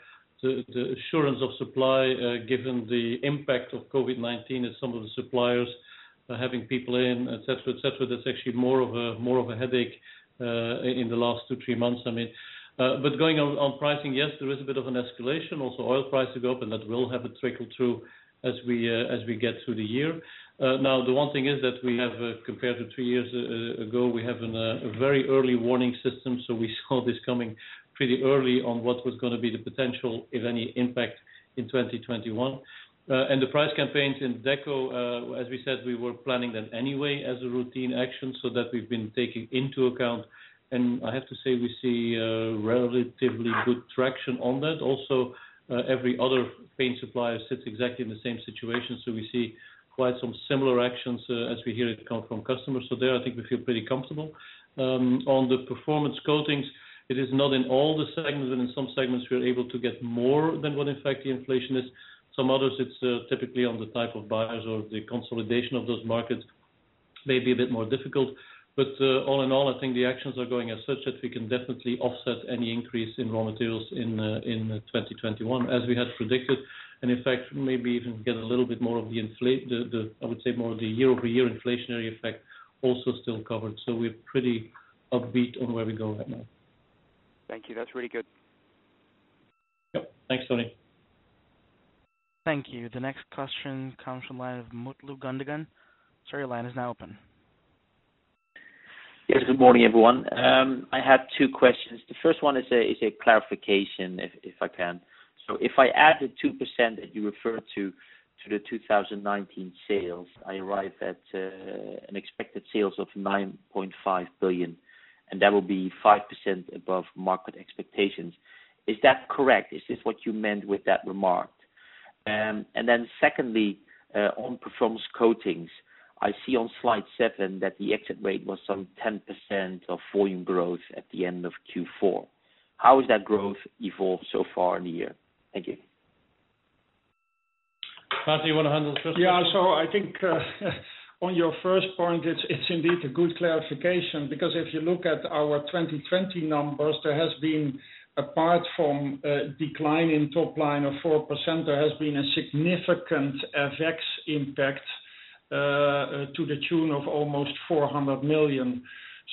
the assurance of supply, given the impact of COVID-19 and some of the suppliers having people in, et cetera. That's actually more of a headache in the last two, three months. Going on pricing, yes, there is a bit of an escalation. Oil prices go up, and that will have a trickle-through as we get through the year. The one thing is that we have, compared to two years ago, we have a very early warning system. We saw this coming pretty early on what was going to be the potential, if any impact in 2021. The price campaigns in deco, as we said, we were planning them anyway as a routine action so that we've been taking into account. I have to say, we see relatively good traction on that. Every other paint supplier sits exactly in the same situation. We see quite some similar actions as we hear it come from customers. There, I think we feel pretty comfortable. On the performance coatings, it is not in all the segments, and in some segments, we are able to get more than what in fact the inflation is. Some others, it's typically on the type of buyers or the consolidation of those markets may be a bit more difficult. All in all, I think the actions are going as such that we can definitely offset any increase in raw materials in 2021 as we had predicted. In fact, maybe even get a little bit more of the, I would say, more of the year-over-year inflationary effect also still covered. We're pretty upbeat on where we go right now. Thank you. That's really good. Yep. Thanks, Tony. Thank you. The next question comes from the line of Mutlu Gundogan. Sir, your line is now open. Yes. Good morning, everyone. I have two questions. The first one is a clarification, if I can. If I add the 2% that you referred to the 2019 sales, I arrive at an expected sales of 9.5 billion, and that will be 5% above market expectations. Is that correct? Is this what you meant with that remark? Secondly, on performance coatings, I see on slide seven that the exit rate was some 10% of volume growth at the end of Q4. How has that growth evolved so far in the year? Thank you. Maarten, you want to handle the first one? I think on your first point, it's indeed a good clarification because if you look at our 2020 numbers, there has been, apart from a decline in top line of 4%, there has been a significant FX impact to the tune of almost 400 million.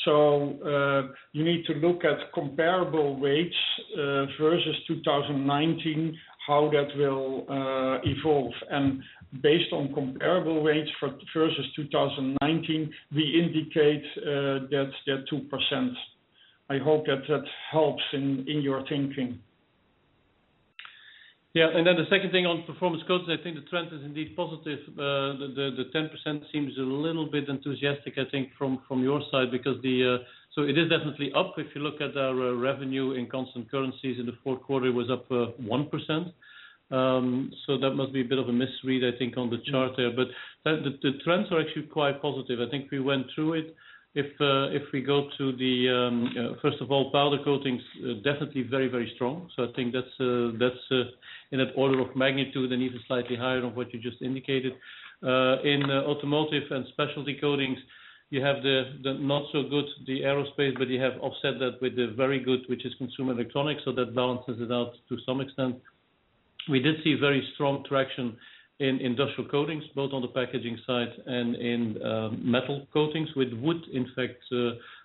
You need to look at comparable rates versus 2019, how that will evolve. Based on comparable rates versus 2019, we indicate that's their 2%. I hope that helps in your thinking. Yeah. The second thing on performance coatings, I think the trend is indeed positive. The 10% seems a little bit enthusiastic, I think, from your side. It is definitely up. If you look at our revenue in constant currencies in the fourth quarter, it was up 1%. That must be a bit of a misread, I think, on the chart there. The trends are actually quite positive. I think we went through it. First of all, powder coatings, definitely very strong. I think that's in an order of magnitude and even slightly higher than what you just indicated. In automotive and specialty coatings, you have the not so good, the aerospace, but you have offset that with the very good, which is consumer electronics, so that balances it out to some extent. We did see very strong traction in industrial coatings, both on the packaging side and in metal coatings with wood, in fact,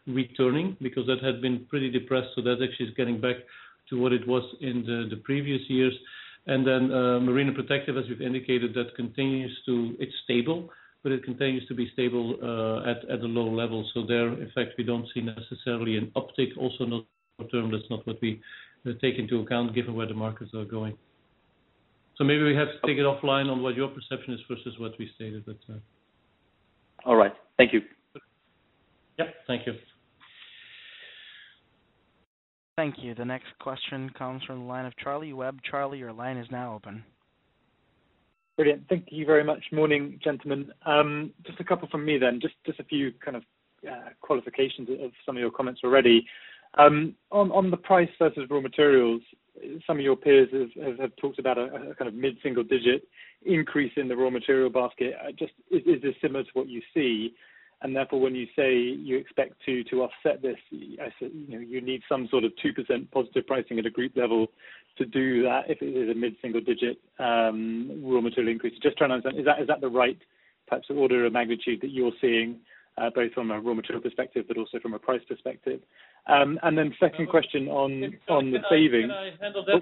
returning because that had been pretty depressed. That actually is getting back to what it was in the previous years. Then marine and protective, as we've indicated, it's stable, but it continues to be stable at a low level. There, in fact, we don't see necessarily an uptick also not short term. That's not what we take into account given where the markets are going. Maybe we have to take it offline on what your perception is versus what we stated. All right. Thank you. Yep. Thank you. Thank you. The next question comes from the line of Charlie Webb. Charlie, your line is now open. Brilliant. Thank you very much. Morning, gentlemen. Just a couple from me then. Just a few kind of qualifications of some of your comments already. On the price versus raw materials, some of your peers have talked about a kind of mid-single digit increase in the raw material basket. Is this similar to what you see? Therefore, when you say you expect to offset this, you need some sort of 2% positive pricing at a group level to do that if it is a mid-single digit raw material increase. Just trying to understand, is that the right types of order of magnitude that you're seeing, both from a raw material perspective, but also from a price perspective? Then second question on the savings. Can I handle that? Oh.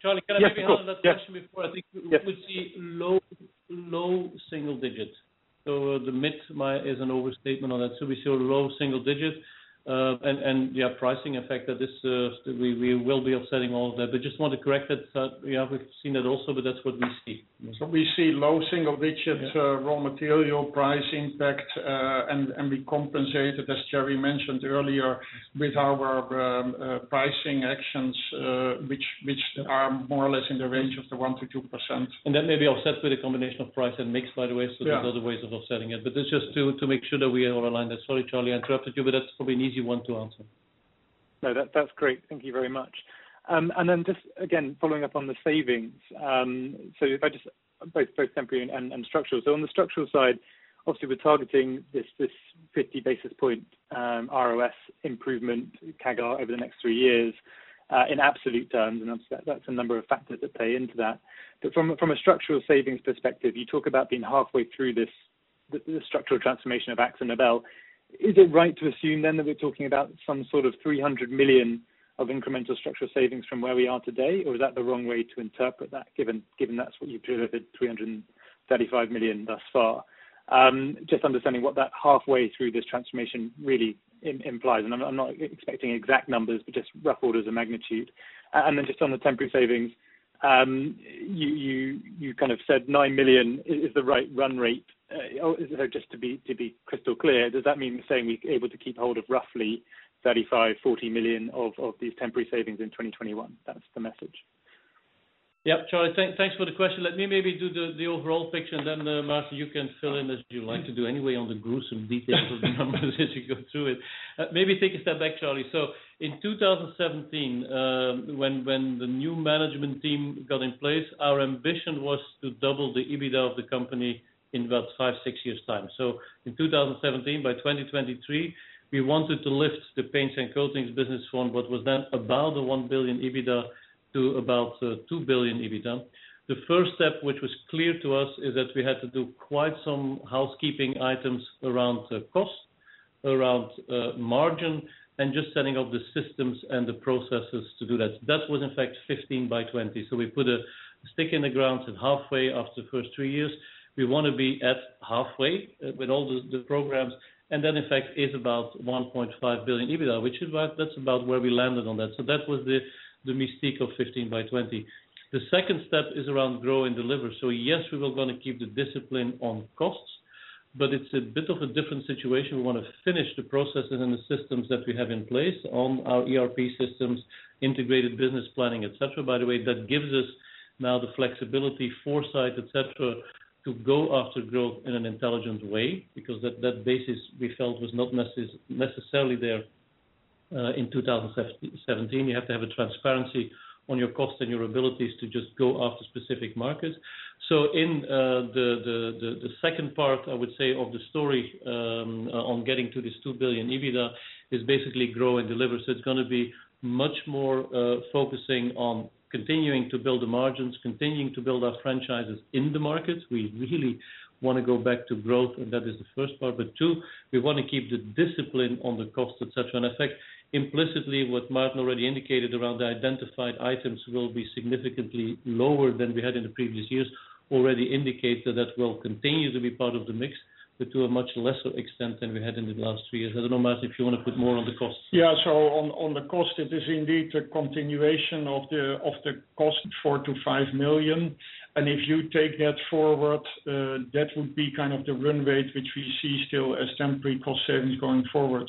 Charlie, can I maybe handle that? Yes, of course. Yeah. I think we see low single digits. The mid is an overstatement on that. We see a low single digit, and yeah, pricing effect that we will be offsetting all of that. Just want to correct that we haven't seen that also, but that's what we see. We see low single digits, raw material price impact, and we compensate, as Thierry mentioned earlier, with our pricing actions, which are more or less in the range of the 1%-2%. That may be offset with a combination of price and mix, by the way. Yeah. There's other ways of offsetting it, but that's just to make sure that we are all aligned there. Sorry, Charlie, I interrupted you, but that's probably an easy one to answer. No, that's great. Thank you very much. Just again, following up on the savings, both temporary and structural. On the structural side, obviously, we're targeting this 50 basis point ROS improvement CAGR over the next three years, in absolute terms, and that's a number of factors that play into that. From a structural savings perspective, you talk about being halfway through this structural transformation of AkzoNobel. Is it right to assume then that we're talking about some sort of 300 million of incremental structural savings from where we are today? Is that the wrong way to interpret that, given that's what you've delivered 335 million thus far? Just understanding what that halfway through this transformation really implies. I'm not expecting exact numbers, but just rough orders of magnitude. Just on the temporary savings, you kind of said 9 million is the right run rate. So just to be crystal clear, does that mean saying we're able to keep hold of roughly 35 million, 40 million of these temporary savings in 2021? That's the message. Yeah, Charlie, thanks for the question. Let me maybe do the overall picture and then, Maarten, you can fill in as you like to do anyway on the gruesome details of the numbers as you go through it. Maybe take a step back, Charlie. In 2017, when the new management team got in place, our ambition was to double the EBITDA of the company in about five, six years' time. In 2017, by 2023, we wanted to lift the paints and coatings business from what was then about 1 billion EBITDA to about 2 billion EBITDA. The first step, which was clear to us, is that we had to do quite some housekeeping items around cost, around margin, and just setting up the systems and the processes to do that. That was in fact 15 by 20. We put a stake in the ground and halfway after the first three years, we want to be at halfway with all the programs, and that in fact is about 1.5 billion EBITDA, that's about where we landed on that. That was the mystique of 15 by 20. The second step is around Grow & Deliver. Yes, we were going to keep the discipline on costs, but it's a bit of a different situation. We want to finish the processes and the systems that we have in place on our ERP systems, integrated business planning, et cetera. By the way, that gives us now the flexibility, foresight, et cetera, to go after growth in an intelligent way because that basis we felt was not necessarily there in 2017. You have to have a transparency on your cost and your abilities to just go after specific markets. In the second part, I would say of the story, on getting to this 2 billion EBITDA is basically Grow & Deliver. It's going to be much more focusing on continuing to build the margins, continuing to build our franchises in the markets. We really want to go back to growth, and that is the first part. Two, we want to keep the discipline on the cost, et cetera. In fact, implicitly, what Maarten already indicated around the identified items will be significantly lower than we had in the previous years, already indicates that that will continue to be part of the mix, but to a much lesser extent than we had in the last three years. I don't know, Maarten, if you want to put more on the costs. Yeah. On the cost, it is indeed a continuation of the cost 4 million-5 million. If you take that forward, that would be kind of the run rate, which we see still as temporary cost savings going forward.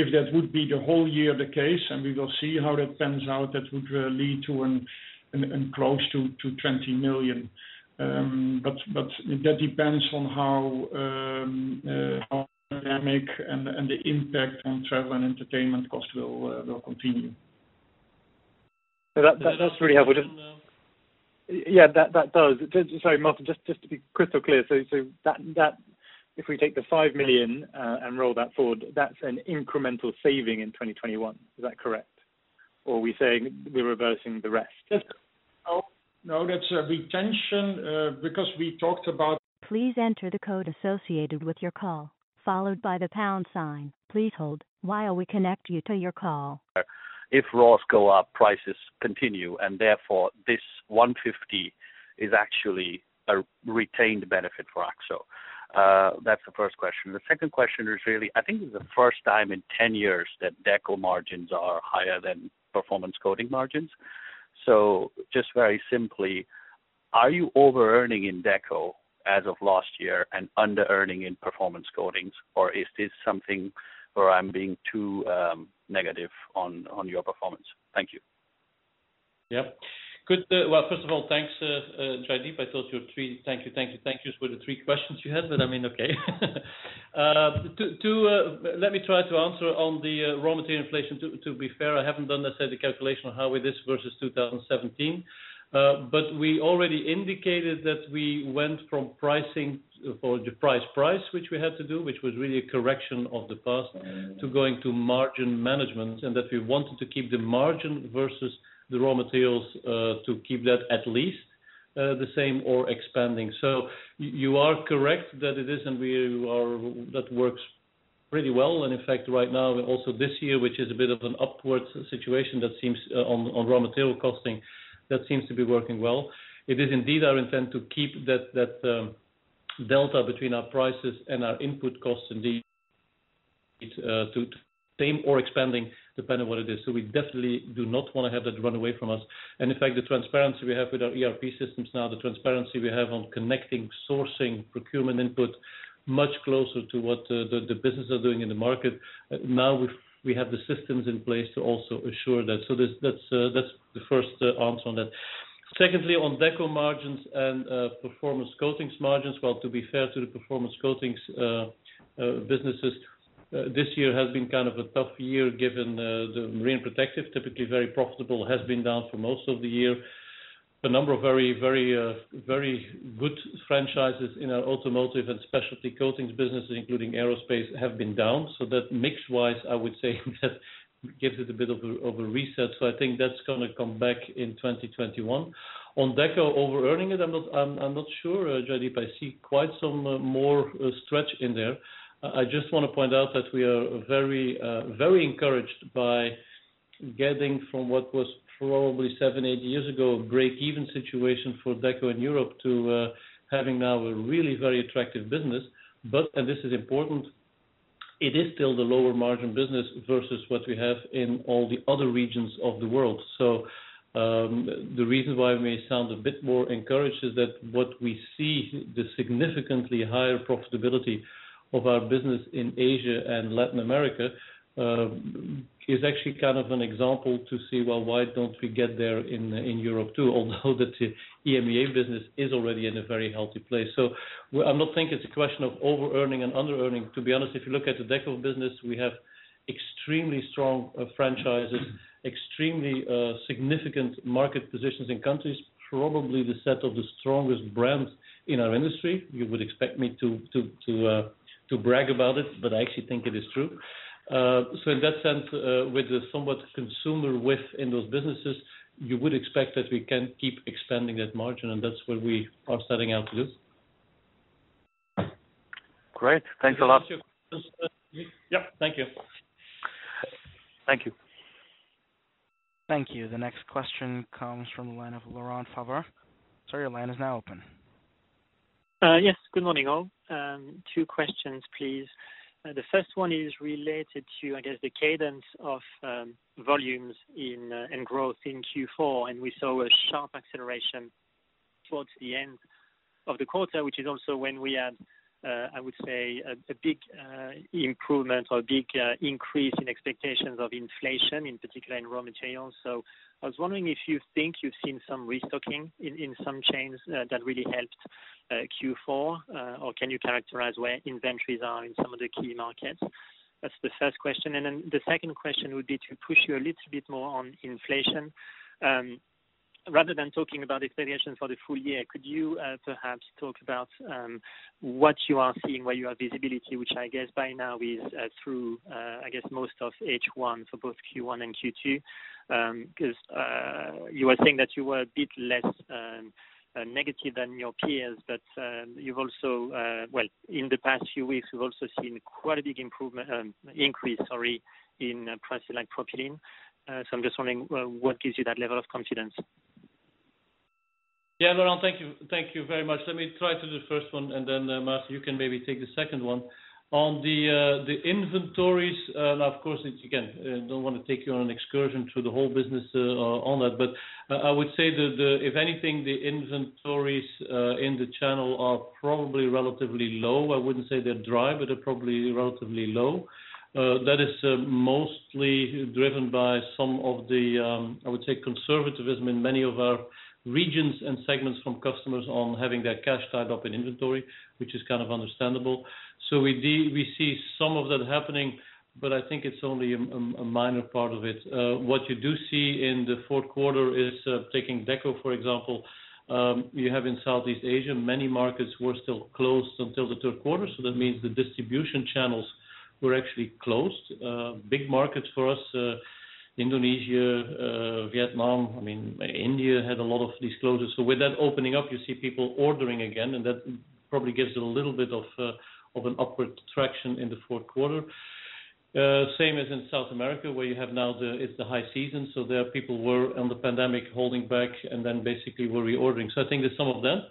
If that would be the whole year the case, and we will see how that pans out, that would lead to and close to 20 million. That depends on how the pandemic and the impact on travel and entertainment cost will continue. That's really helpful. Does that answer your question now? Yeah, that does. Sorry, Maarten, just to be crystal clear. If we take the 5 million and roll that forward, that's an incremental saving in 2021. Is that correct? Or are we saying we're reversing the rest? No, that's a retention, because we talked. Please enter the code associated with your call, followed by the pound sign. Please hold while we connect you to your call. If raws go up, prices continue, and therefore this 150 is actually a retained benefit for Akzo, that's the first question. The second question is really I think the first time in 10 years that deco margins are higher than performance coatings margins. So just very simply, are you overearning in deco as of last year and underearning in performance coatings or am I being too negative in your performance? Thank you. Yeah. Good. Well, first of all, thanks, Jaideep. I thought your three thank you for the three questions you had, but I mean, okay. Let me try to answer on the raw material inflation. To be fair, I haven't done necessarily the calculation on how we this versus 2017. We already indicated that we went from pricing for the price, which we had to do, which was really a correction of the past, to going to margin management, and that we wanted to keep the margin versus the raw materials, to keep that at least the same or expanding. You are correct that it isn't really our-- that works pretty well. In fact, right now, also this year, which is a bit of an upwards situation that seems on raw material costing, that seems to be working well. It is indeed our intent to keep that delta between our prices and our input costs indeed to tame or expanding depending what it is. We definitely do not want to have that run away from us. In fact, the transparency we have with our ERP systems now, the transparency we have on connecting sourcing, procurement input, much closer to what the business are doing in the market. Now we have the systems in place to also assure that. That's the first answer on that. Secondly, on deco margins and performance coatings margins, well, to be fair to the performance coatings businesses, this year has been kind of a tough year given the marine protective, typically very profitable, has been down for most of the year. A number of very good franchises in our automotive and specialty coatings business, including aerospace, have been down. That mix-wise, I would say that gives it a bit of a reset. I think that's going to come back in 2021. On deco over-earning it, I'm not sure, Jaideep. I see quite some more stretch in there. I just want to point out that we are very encouraged by getting from what was probably seven, eight years ago, a break-even situation for deco in Europe to having now a really very attractive business. This is important, it is still the lower margin business versus what we have in all the other regions of the world. The reason why it may sound a bit more encouraged is that what we see, the significantly higher profitability of our business in Asia and Latin America, is actually kind of an example to see, well, why don't we get there in Europe too? Although the EMEA business is already in a very healthy place. I'm not think it's a question of overearning and underearning. To be honest, if you look at the deco business, we have extremely strong franchises, extremely significant market positions in countries, probably the set of the strongest brands in our industry. You would expect me to brag about it, but I actually think it is true. In that sense, with the somewhat consumer width in those businesses, you would expect that we can keep expanding that margin, and that's what we are setting out to do. Great. Thanks a lot. Yes. Thank you. Thank you. Thank you. The next question comes from the line of Laurent Favre. Sir, your line is now open. Yes. Good morning, all. Two questions, please. The first one is related to, I guess, the cadence of volumes in growth in Q4. We saw a sharp acceleration towards the end of the quarter, which is also when we had, I would say, a big improvement or big increase in expectations of inflation, in particular in raw materials. I was wondering if you think you've seen some restocking in some chains that really helped Q4, or can you characterize where inventories are in some of the key markets? That's the first question. The second question would be to push you a little bit more on inflation. Rather than talking about expectations for the full year, could you perhaps talk about what you are seeing, where you have visibility, which I guess by now is through most of H1 for both Q1 and Q2? You were saying that you were a bit less negative than your peers, but you've also, well, in the past few weeks, we've also seen quite a big increase in price like propylene. I'm just wondering what gives you that level of confidence? Yeah, Laurent, thank you. Thank you very much. Let me try to do the first one, and then, Matthew, you can maybe take the second one. On the inventories, of course, again, don't want to take you on an excursion through the whole business on that. I would say that if anything, the inventories in the channel are probably relatively low. I wouldn't say they're dry, but they're probably relatively low. That is mostly driven by some of the, I would say, conservativism in many of our regions and segments from customers on having that cash tied up in inventory, which is kind of understandable. We see some of that happening, but I think it's only a minor part of it. What you do see in the fourth quarter is, taking deco for example, you have in Southeast Asia, many markets were still closed until the third quarter, so that means the distribution channels were actually closed. Big markets for us, Indonesia, Vietnam, India had a lot of these closures. With that opening up, you see people ordering again, and that probably gives it a little bit of an upward traction in the fourth quarter. Same as in South America, where you have now it's the high season, so there are people who were, on the pandemic, holding back and then basically were reordering. I think there's some of that.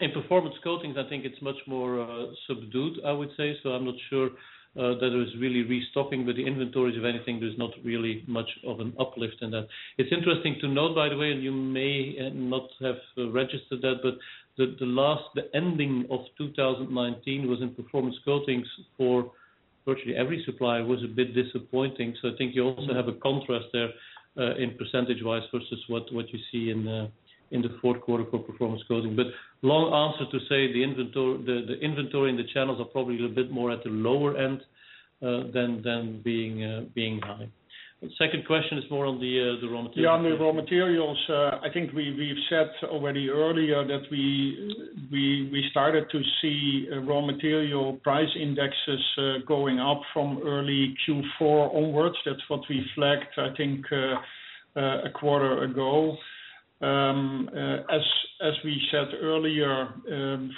In performance coatings, I think it's much more subdued, I would say. I'm not sure that it was really restocking, but the inventories, if anything, there's not really much of an uplift in that. It's interesting to note, by the way, and you may not have registered that, but the ending of 2019 was in performance coatings for virtually every supplier was a bit disappointing. I think you also have a contrast there in percentage-wise versus what you see in the fourth quarter for performance coatings. Long answer to say the inventory in the channels are probably a little bit more at the lower end than being high. The second question is more on the raw materials. Yeah, on the raw materials, I think we've said already earlier that we started to see raw material price indexes going up from early Q4 onwards. That's what we flagged, I think, a quarter ago. As we said earlier,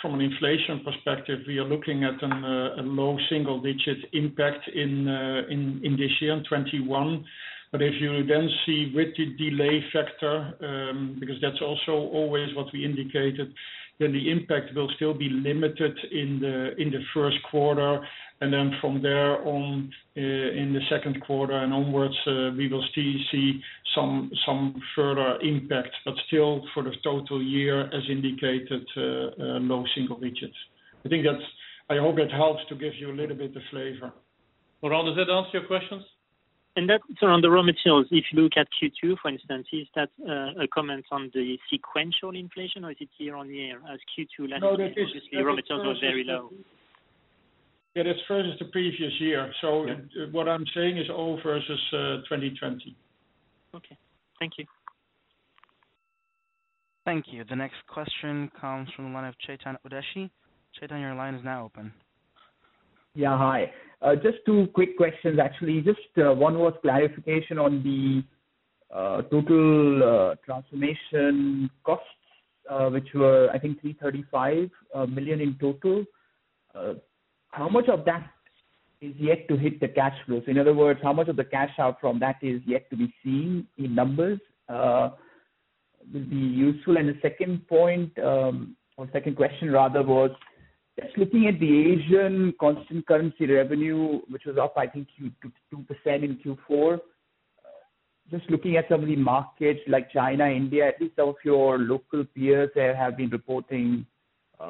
from an inflation perspective, we are looking at a low single-digit impact in this year 2021. If you see with the delay factor, because that's also always what we indicated, the impact will still be limited in the first quarter, and from there on in the second quarter and onwards, we will still see some further impact. Still for the total year, as indicated, low single digits. I hope that helps to give you a little bit of flavor. Laurent, does that answer your questions? That's around the raw materials. If you look at Q2, for instance, is that a comment on the sequential inflation or is it year-over-year as Q2 last year, obviously raw materials were very low? Yeah, that's versus the previous year. What I'm saying is all versus 2020. Okay. Thank you. Thank you. The next question comes from the line of Chetan Udeshi. Chetan, your line is now open. Yeah, hi. Two quick questions, actually. One was clarification on the total transformation costs, which were, I think, 335 million in total. How much of that is yet to hit the cash flows? In other words, how much of the cash out from that is yet to be seen in numbers? Would be useful. The second point, or second question rather, was looking at the Asian constant currency revenue, which was up, I think, 2% in Q4. Looking at some of the markets like China, India, at least some of your local peers there have been reporting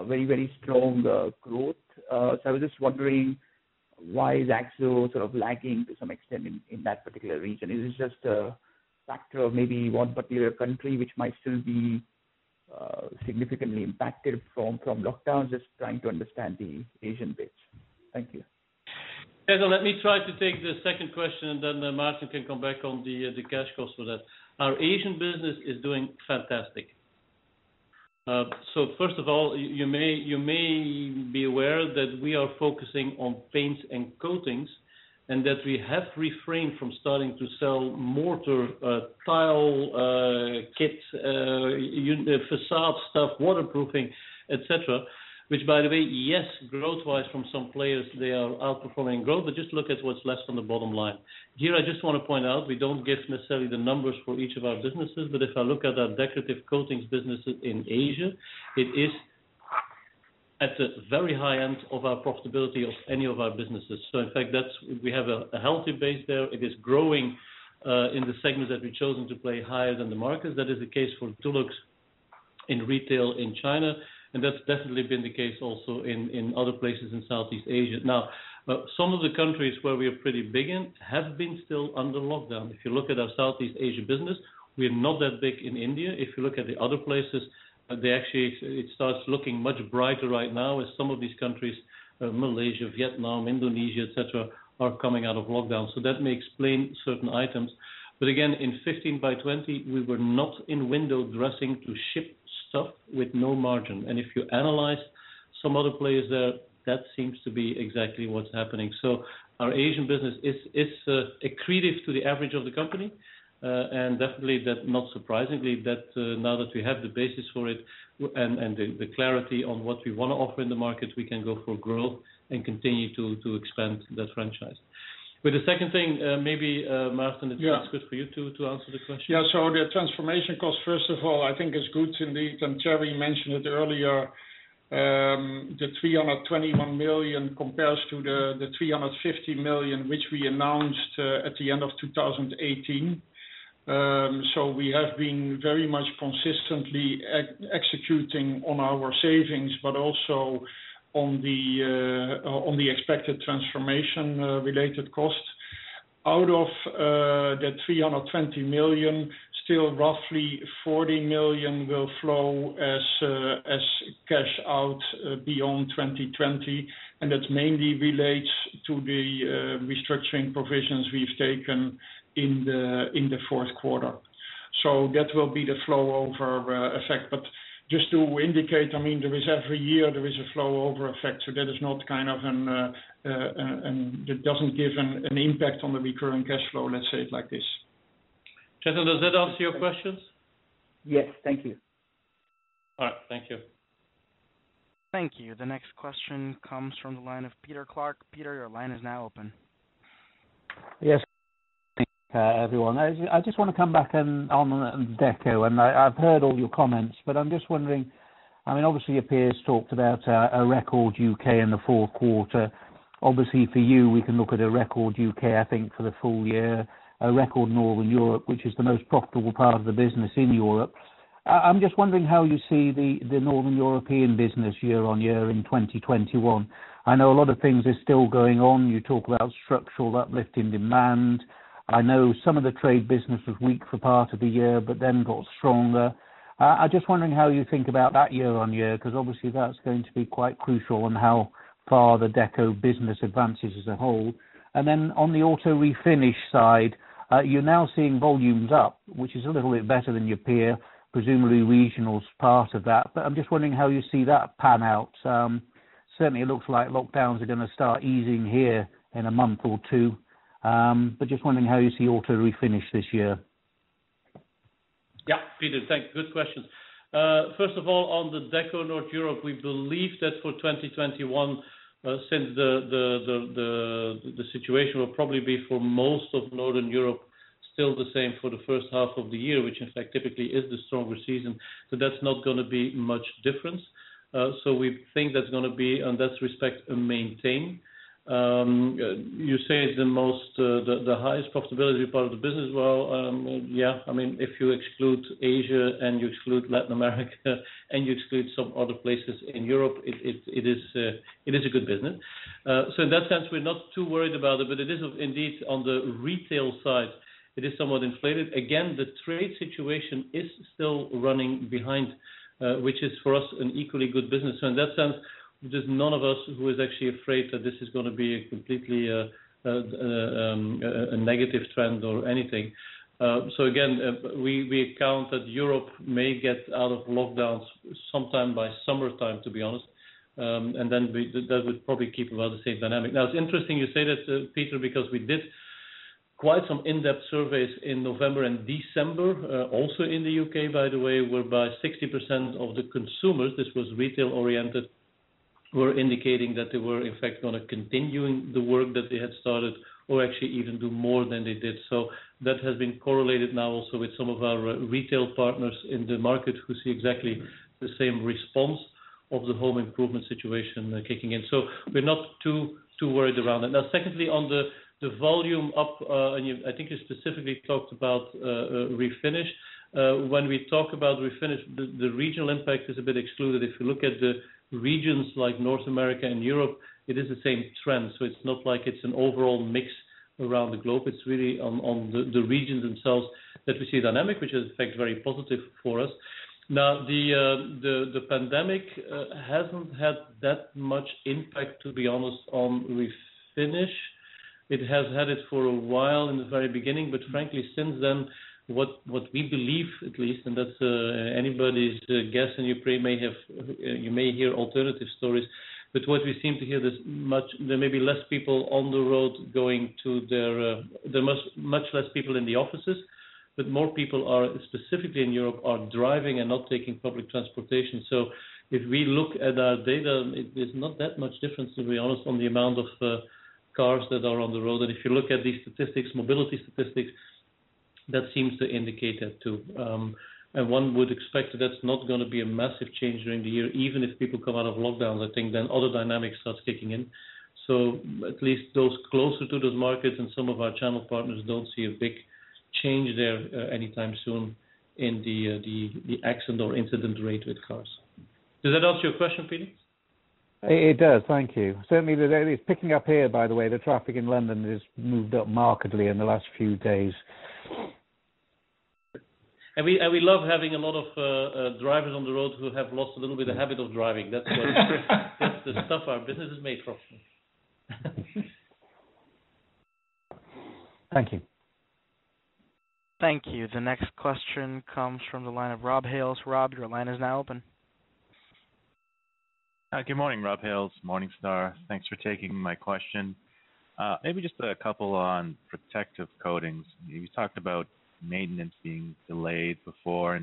very strong growth. I was just wondering why is AkzoNobel sort of lacking to some extent in that particular region? Is this just a factor of maybe one particular country which might still be significantly impacted from lockdowns? Trying to understand the Asian bit. Thank you. Chetan, let me try to take the second question and then Maarten can come back on the cash cost of that. Our Asian business is doing fantastic. First of all, you may be aware that we are focusing on paints and coatings and that we have refrained from starting to sell mortar tile kits, facade stuff, waterproofing, et cetera, which by the way, yes, growth-wise from some players, they are outperforming growth, but just look at what's left on the bottom line. Here, I just want to point out, we don't give necessarily the numbers for each of our businesses, but if I look at our decorative coatings businesses in Asia, it is at the very high end of our profitability of any of our businesses. In fact, we have a healthy base there. It is growing, in the segments that we've chosen to play higher than the markets. That is the case for Dulux in retail in China. That's definitely been the case also in other places in Southeast Asia. Some of the countries where we are pretty big in have been still under lockdown. If you look at our Southeast Asia business, we're not that big in India. If you look at the other places, it starts looking much brighter right now as some of these countries, Malaysia, Vietnam, Indonesia, et cetera, are coming out of lockdown. That may explain certain items. Again, in 15 by 20, we were not in window dressing to ship stuff with no margin. If you analyze some other players there, that seems to be exactly what's happening. Our Asian business is accretive to the average of the company. Definitely that, not surprisingly, that now that we have the basis for it and the clarity on what we want to offer in the market, we can go for growth and continue to expand that franchise. With the second thing, maybe, Maarten, it's good for you to answer the question. Yeah. The transformation cost, first of all, I think it's good indeed, and Thierry mentioned it earlier, the 321 million compares to the 350 million, which we announced at the end of 2018. We have been very much consistently executing on our savings, but also on the expected transformation related costs. Out of that 320 million, still roughly 40 million will flow as cash out beyond 2020. That mainly relates to the restructuring provisions we've taken in the fourth quarter. That will be the flow over effect. Just to indicate, every year there is a flow over effect. That doesn't give an impact on the recurring cash flow, let's say it like this. Chetan, does that answer your questions? Yes. Thank you. All right. Thank you. Thank you. The next question comes from the line of Peter Clark. Peter, your line is now open. Yes. Thank you, everyone. I just want to come back on deco and I've heard all your comments, but I'm just wondering, obviously your peers talked about a record U.K. in the fourth quarter. Obviously for you, we can look at a record U.K., I think for the full year, a record Northern Europe, which is the most profitable part of the business in Europe. I'm just wondering how you see the Northern European business year-on-year in 2021. I know a lot of things are still going on. You talk about structural uplift in demand. I know some of the trade business was weak for part of the year, but then got stronger. I'm just wondering how you think about that year-on-year, because obviously that's going to be quite crucial on how far the deco business advances as a whole. On the auto refinish side, you're now seeing volumes up, which is a little bit better than your peer, presumably regional's part of that. I'm just wondering how you see that pan out. Certainly it looks like lockdowns are going to start easing here in a month or two. Just wondering how you see auto refinish this year. Peter, thanks. Good question. First of all, on the deco North Europe, we believe that for 2021, since the situation will probably be for most of Northern Europe, still the same for the first half of the year, which in fact typically is the stronger season. That's not going to be much difference. We think that's going to be, in that respect, a maintain. You say it's the highest profitability part of the business. If you exclude Asia and you exclude Latin America and you exclude some other places in Europe, it is a good business. In that sense, we're not too worried about it, but it is indeed on the retail side, it is somewhat inflated. The trade situation is still running behind, which is for us an equally good business. In that sense, there's none of us who is actually afraid that this is going to be a completely negative trend or anything. Again, we account that Europe may get out of lockdowns sometime by summertime, to be honest. That would probably keep about the same dynamic. Now, it's interesting you say that, Peter, because we did quite some in-depth surveys in November and December, also in the U.K., by the way, whereby 60% of the consumers, this was retail oriented, were indicating that they were in fact going to continuing the work that they had started or actually even do more than they did. That has been correlated now also with some of our retail partners in the market who see exactly the same response of the home improvement situation kicking in. We're not too worried around that. Secondly, on the volume up, and I think you specifically talked about refinish. When we talk about refinish, the regional impact is a bit excluded. If you look at the regions like North America and Europe, it is the same trend. It's not like it's an overall mix around the globe. It's really on the regions themselves that we see dynamic, which is, in fact, very positive for us. The pandemic hasn't had that much impact, to be honest, on refinish. It has had it for a while, in the very beginning. Frankly, since then, what we believe at least, and that's anybody's guess, and you may hear alternative stories, what we seem to hear, there may be less people on the road. Much less people in the offices, but more people, specifically in Europe, are driving and not taking public transportation. If we look at our data, there's not that much difference, to be honest, on the amount of cars that are on the road. If you look at these statistics, mobility statistics, that seems to indicate that, too. One would expect that's not going to be a massive change during the year, even if people come out of lockdown. I think other dynamics starts kicking in. At least those closer to those markets and some of our channel partners don't see a big change there anytime soon in the accident or incident rate with cars. Does that answer your question, Philip? It does. Thank you. Certainly, it's picking up here, by the way, the traffic in London has moved up markedly in the last few days. We love having a lot of drivers on the road who have lost a little bit of the habit of driving. That's the stuff our business is made from. Thank you. Thank you. The next question comes from the line of Rob Hales. Rob, your line is now open. Good morning. Rob Hales, Morningstar. Thanks for taking my question. Maybe just a couple on protective coatings. You talked about maintenance being delayed before,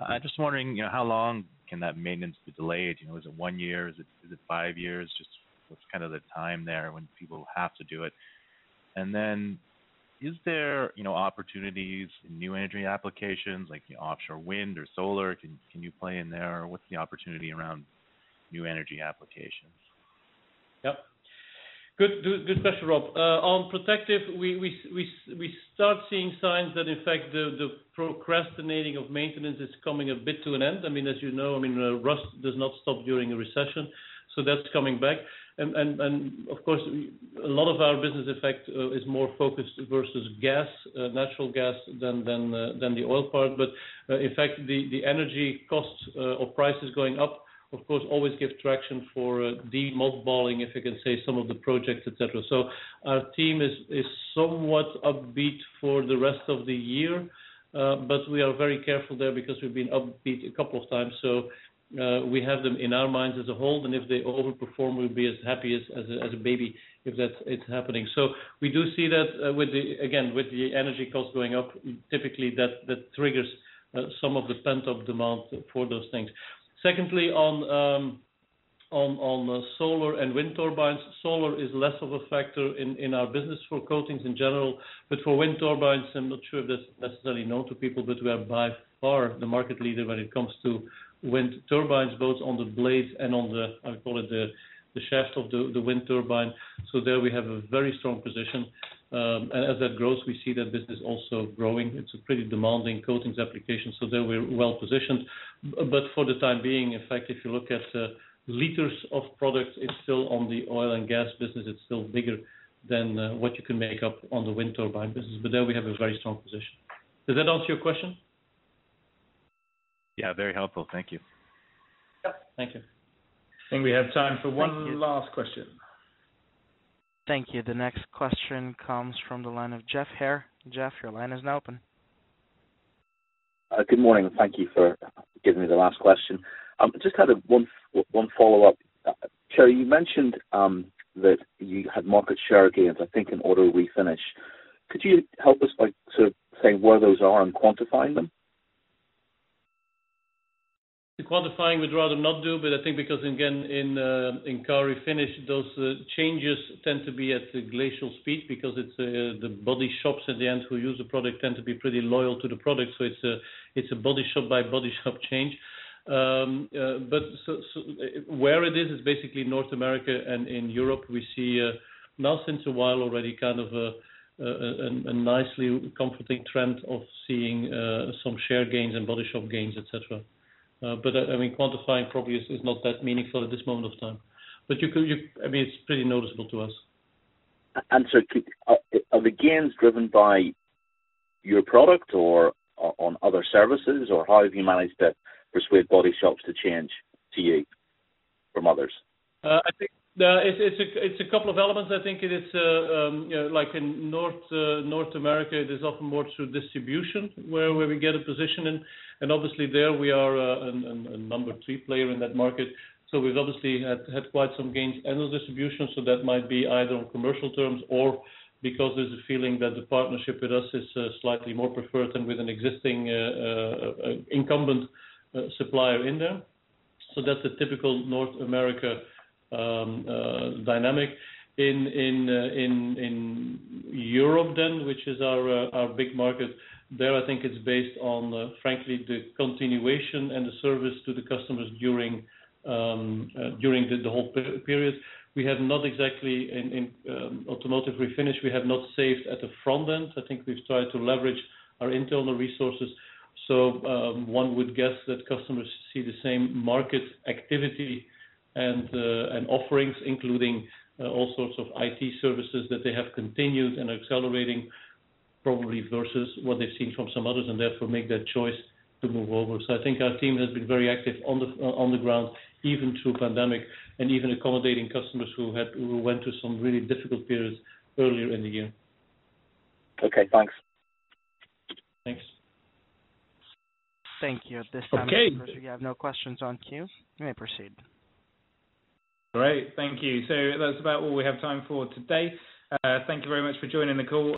I'm just wondering, how long can that maintenance be delayed? Is it one year? Is it five years? Just what's kind of the time there when people have to do it? Is there opportunities in new energy applications like the offshore wind or solar? Can you play in there, or what's the opportunity around new energy applications? Yep. Good question, Rob. On protective, we start seeing signs that, in fact, the procrastinating of maintenance is coming a bit to an end. As you know, rust does not stop during a recession. That's coming back. Of course, a lot of our business effect is more focused versus gas, natural gas than the oil part. In fact, the energy costs or prices going up, of course, always give traction for demothballing, if you can say, some of the projects, et cetera. Our team is somewhat upbeat for the rest of the year. We are very careful there because we've been upbeat a couple of times, so we have them in our minds as a hold, and if they overperform, we'll be as happy as a baby if that is happening. We do see that, again, with the energy cost going up, typically that triggers some of the pent-up demand for those things. Secondly, on solar and wind turbines. Solar is less of a factor in our business for coatings in general. For wind turbines, I'm not sure if that's necessarily known to people, we are by far the market leader when it comes to wind turbines, both on the blades and on the, I call it the shaft of the wind turbine. There, we have a very strong position. As that grows, we see that business also growing. It's a pretty demanding coatings application, there we're well positioned. For the time being, in fact, if you look at liters of product, it's still on the oil and gas business. It's still bigger than what you can make up on the wind turbine business. There we have a very strong position. Does that answer your question? Yeah, very helpful. Thank you. Yep. Thank you. I think we have time for one last question. Thank you. The next question comes from the line of Geoff Haire. Geoff, your line is now open. Good morning. Thank you for giving me the last question. Just kind of one follow-up. You mentioned that you had market share gains, I think in auto refinish. Could you help us by sort of saying where those are and quantifying them? The quantifying we'd rather not do. I think because again, in car refinish, those changes tend to be at a glacial speed because it's the body shops at the end who use the product, tend to be pretty loyal to the product. It's a body shop by body shop change. Where it is basically North America and in Europe, we see now since a while already kind of a nicely comforting trend of seeing some share gains and body shop gains, et cetera. Quantifying probably is not that meaningful at this moment of time. It's pretty noticeable to us. Sorry, are the gains driven by your product or on other services, or how have you managed to persuade body shops to change to you from others? I think it's a couple of elements. I think it is, like in North America, there's often more through distribution where we get a position in. Obviously there we are a number three player in that market, so we've obviously had quite some gains in the distribution. That might be either on commercial terms or because there's a feeling that the partnership with us is slightly more preferred than with an existing incumbent supplier in there. That's a typical North America dynamic. In Europe then, which is our big market, there I think it's based on, frankly, the continuation and the service to the customers during the whole period. We have not exactly in automotive refinish, we have not saved at the front end. I think we've tried to leverage our internal resources. One would guess that customers see the same market activity and offerings, including all sorts of IT services that they have continued and are accelerating probably versus what they've seen from some others and therefore make that choice to move over. I think our team has been very active on the ground, even through pandemic and even accommodating customers who went through some really difficult periods earlier in the year. Okay, thanks. Thanks. Thank you. At this time. Okay. I think we have no questions on queue. You may proceed. Great. Thank you. That's about all we have time for today. Thank you very much for joining the call.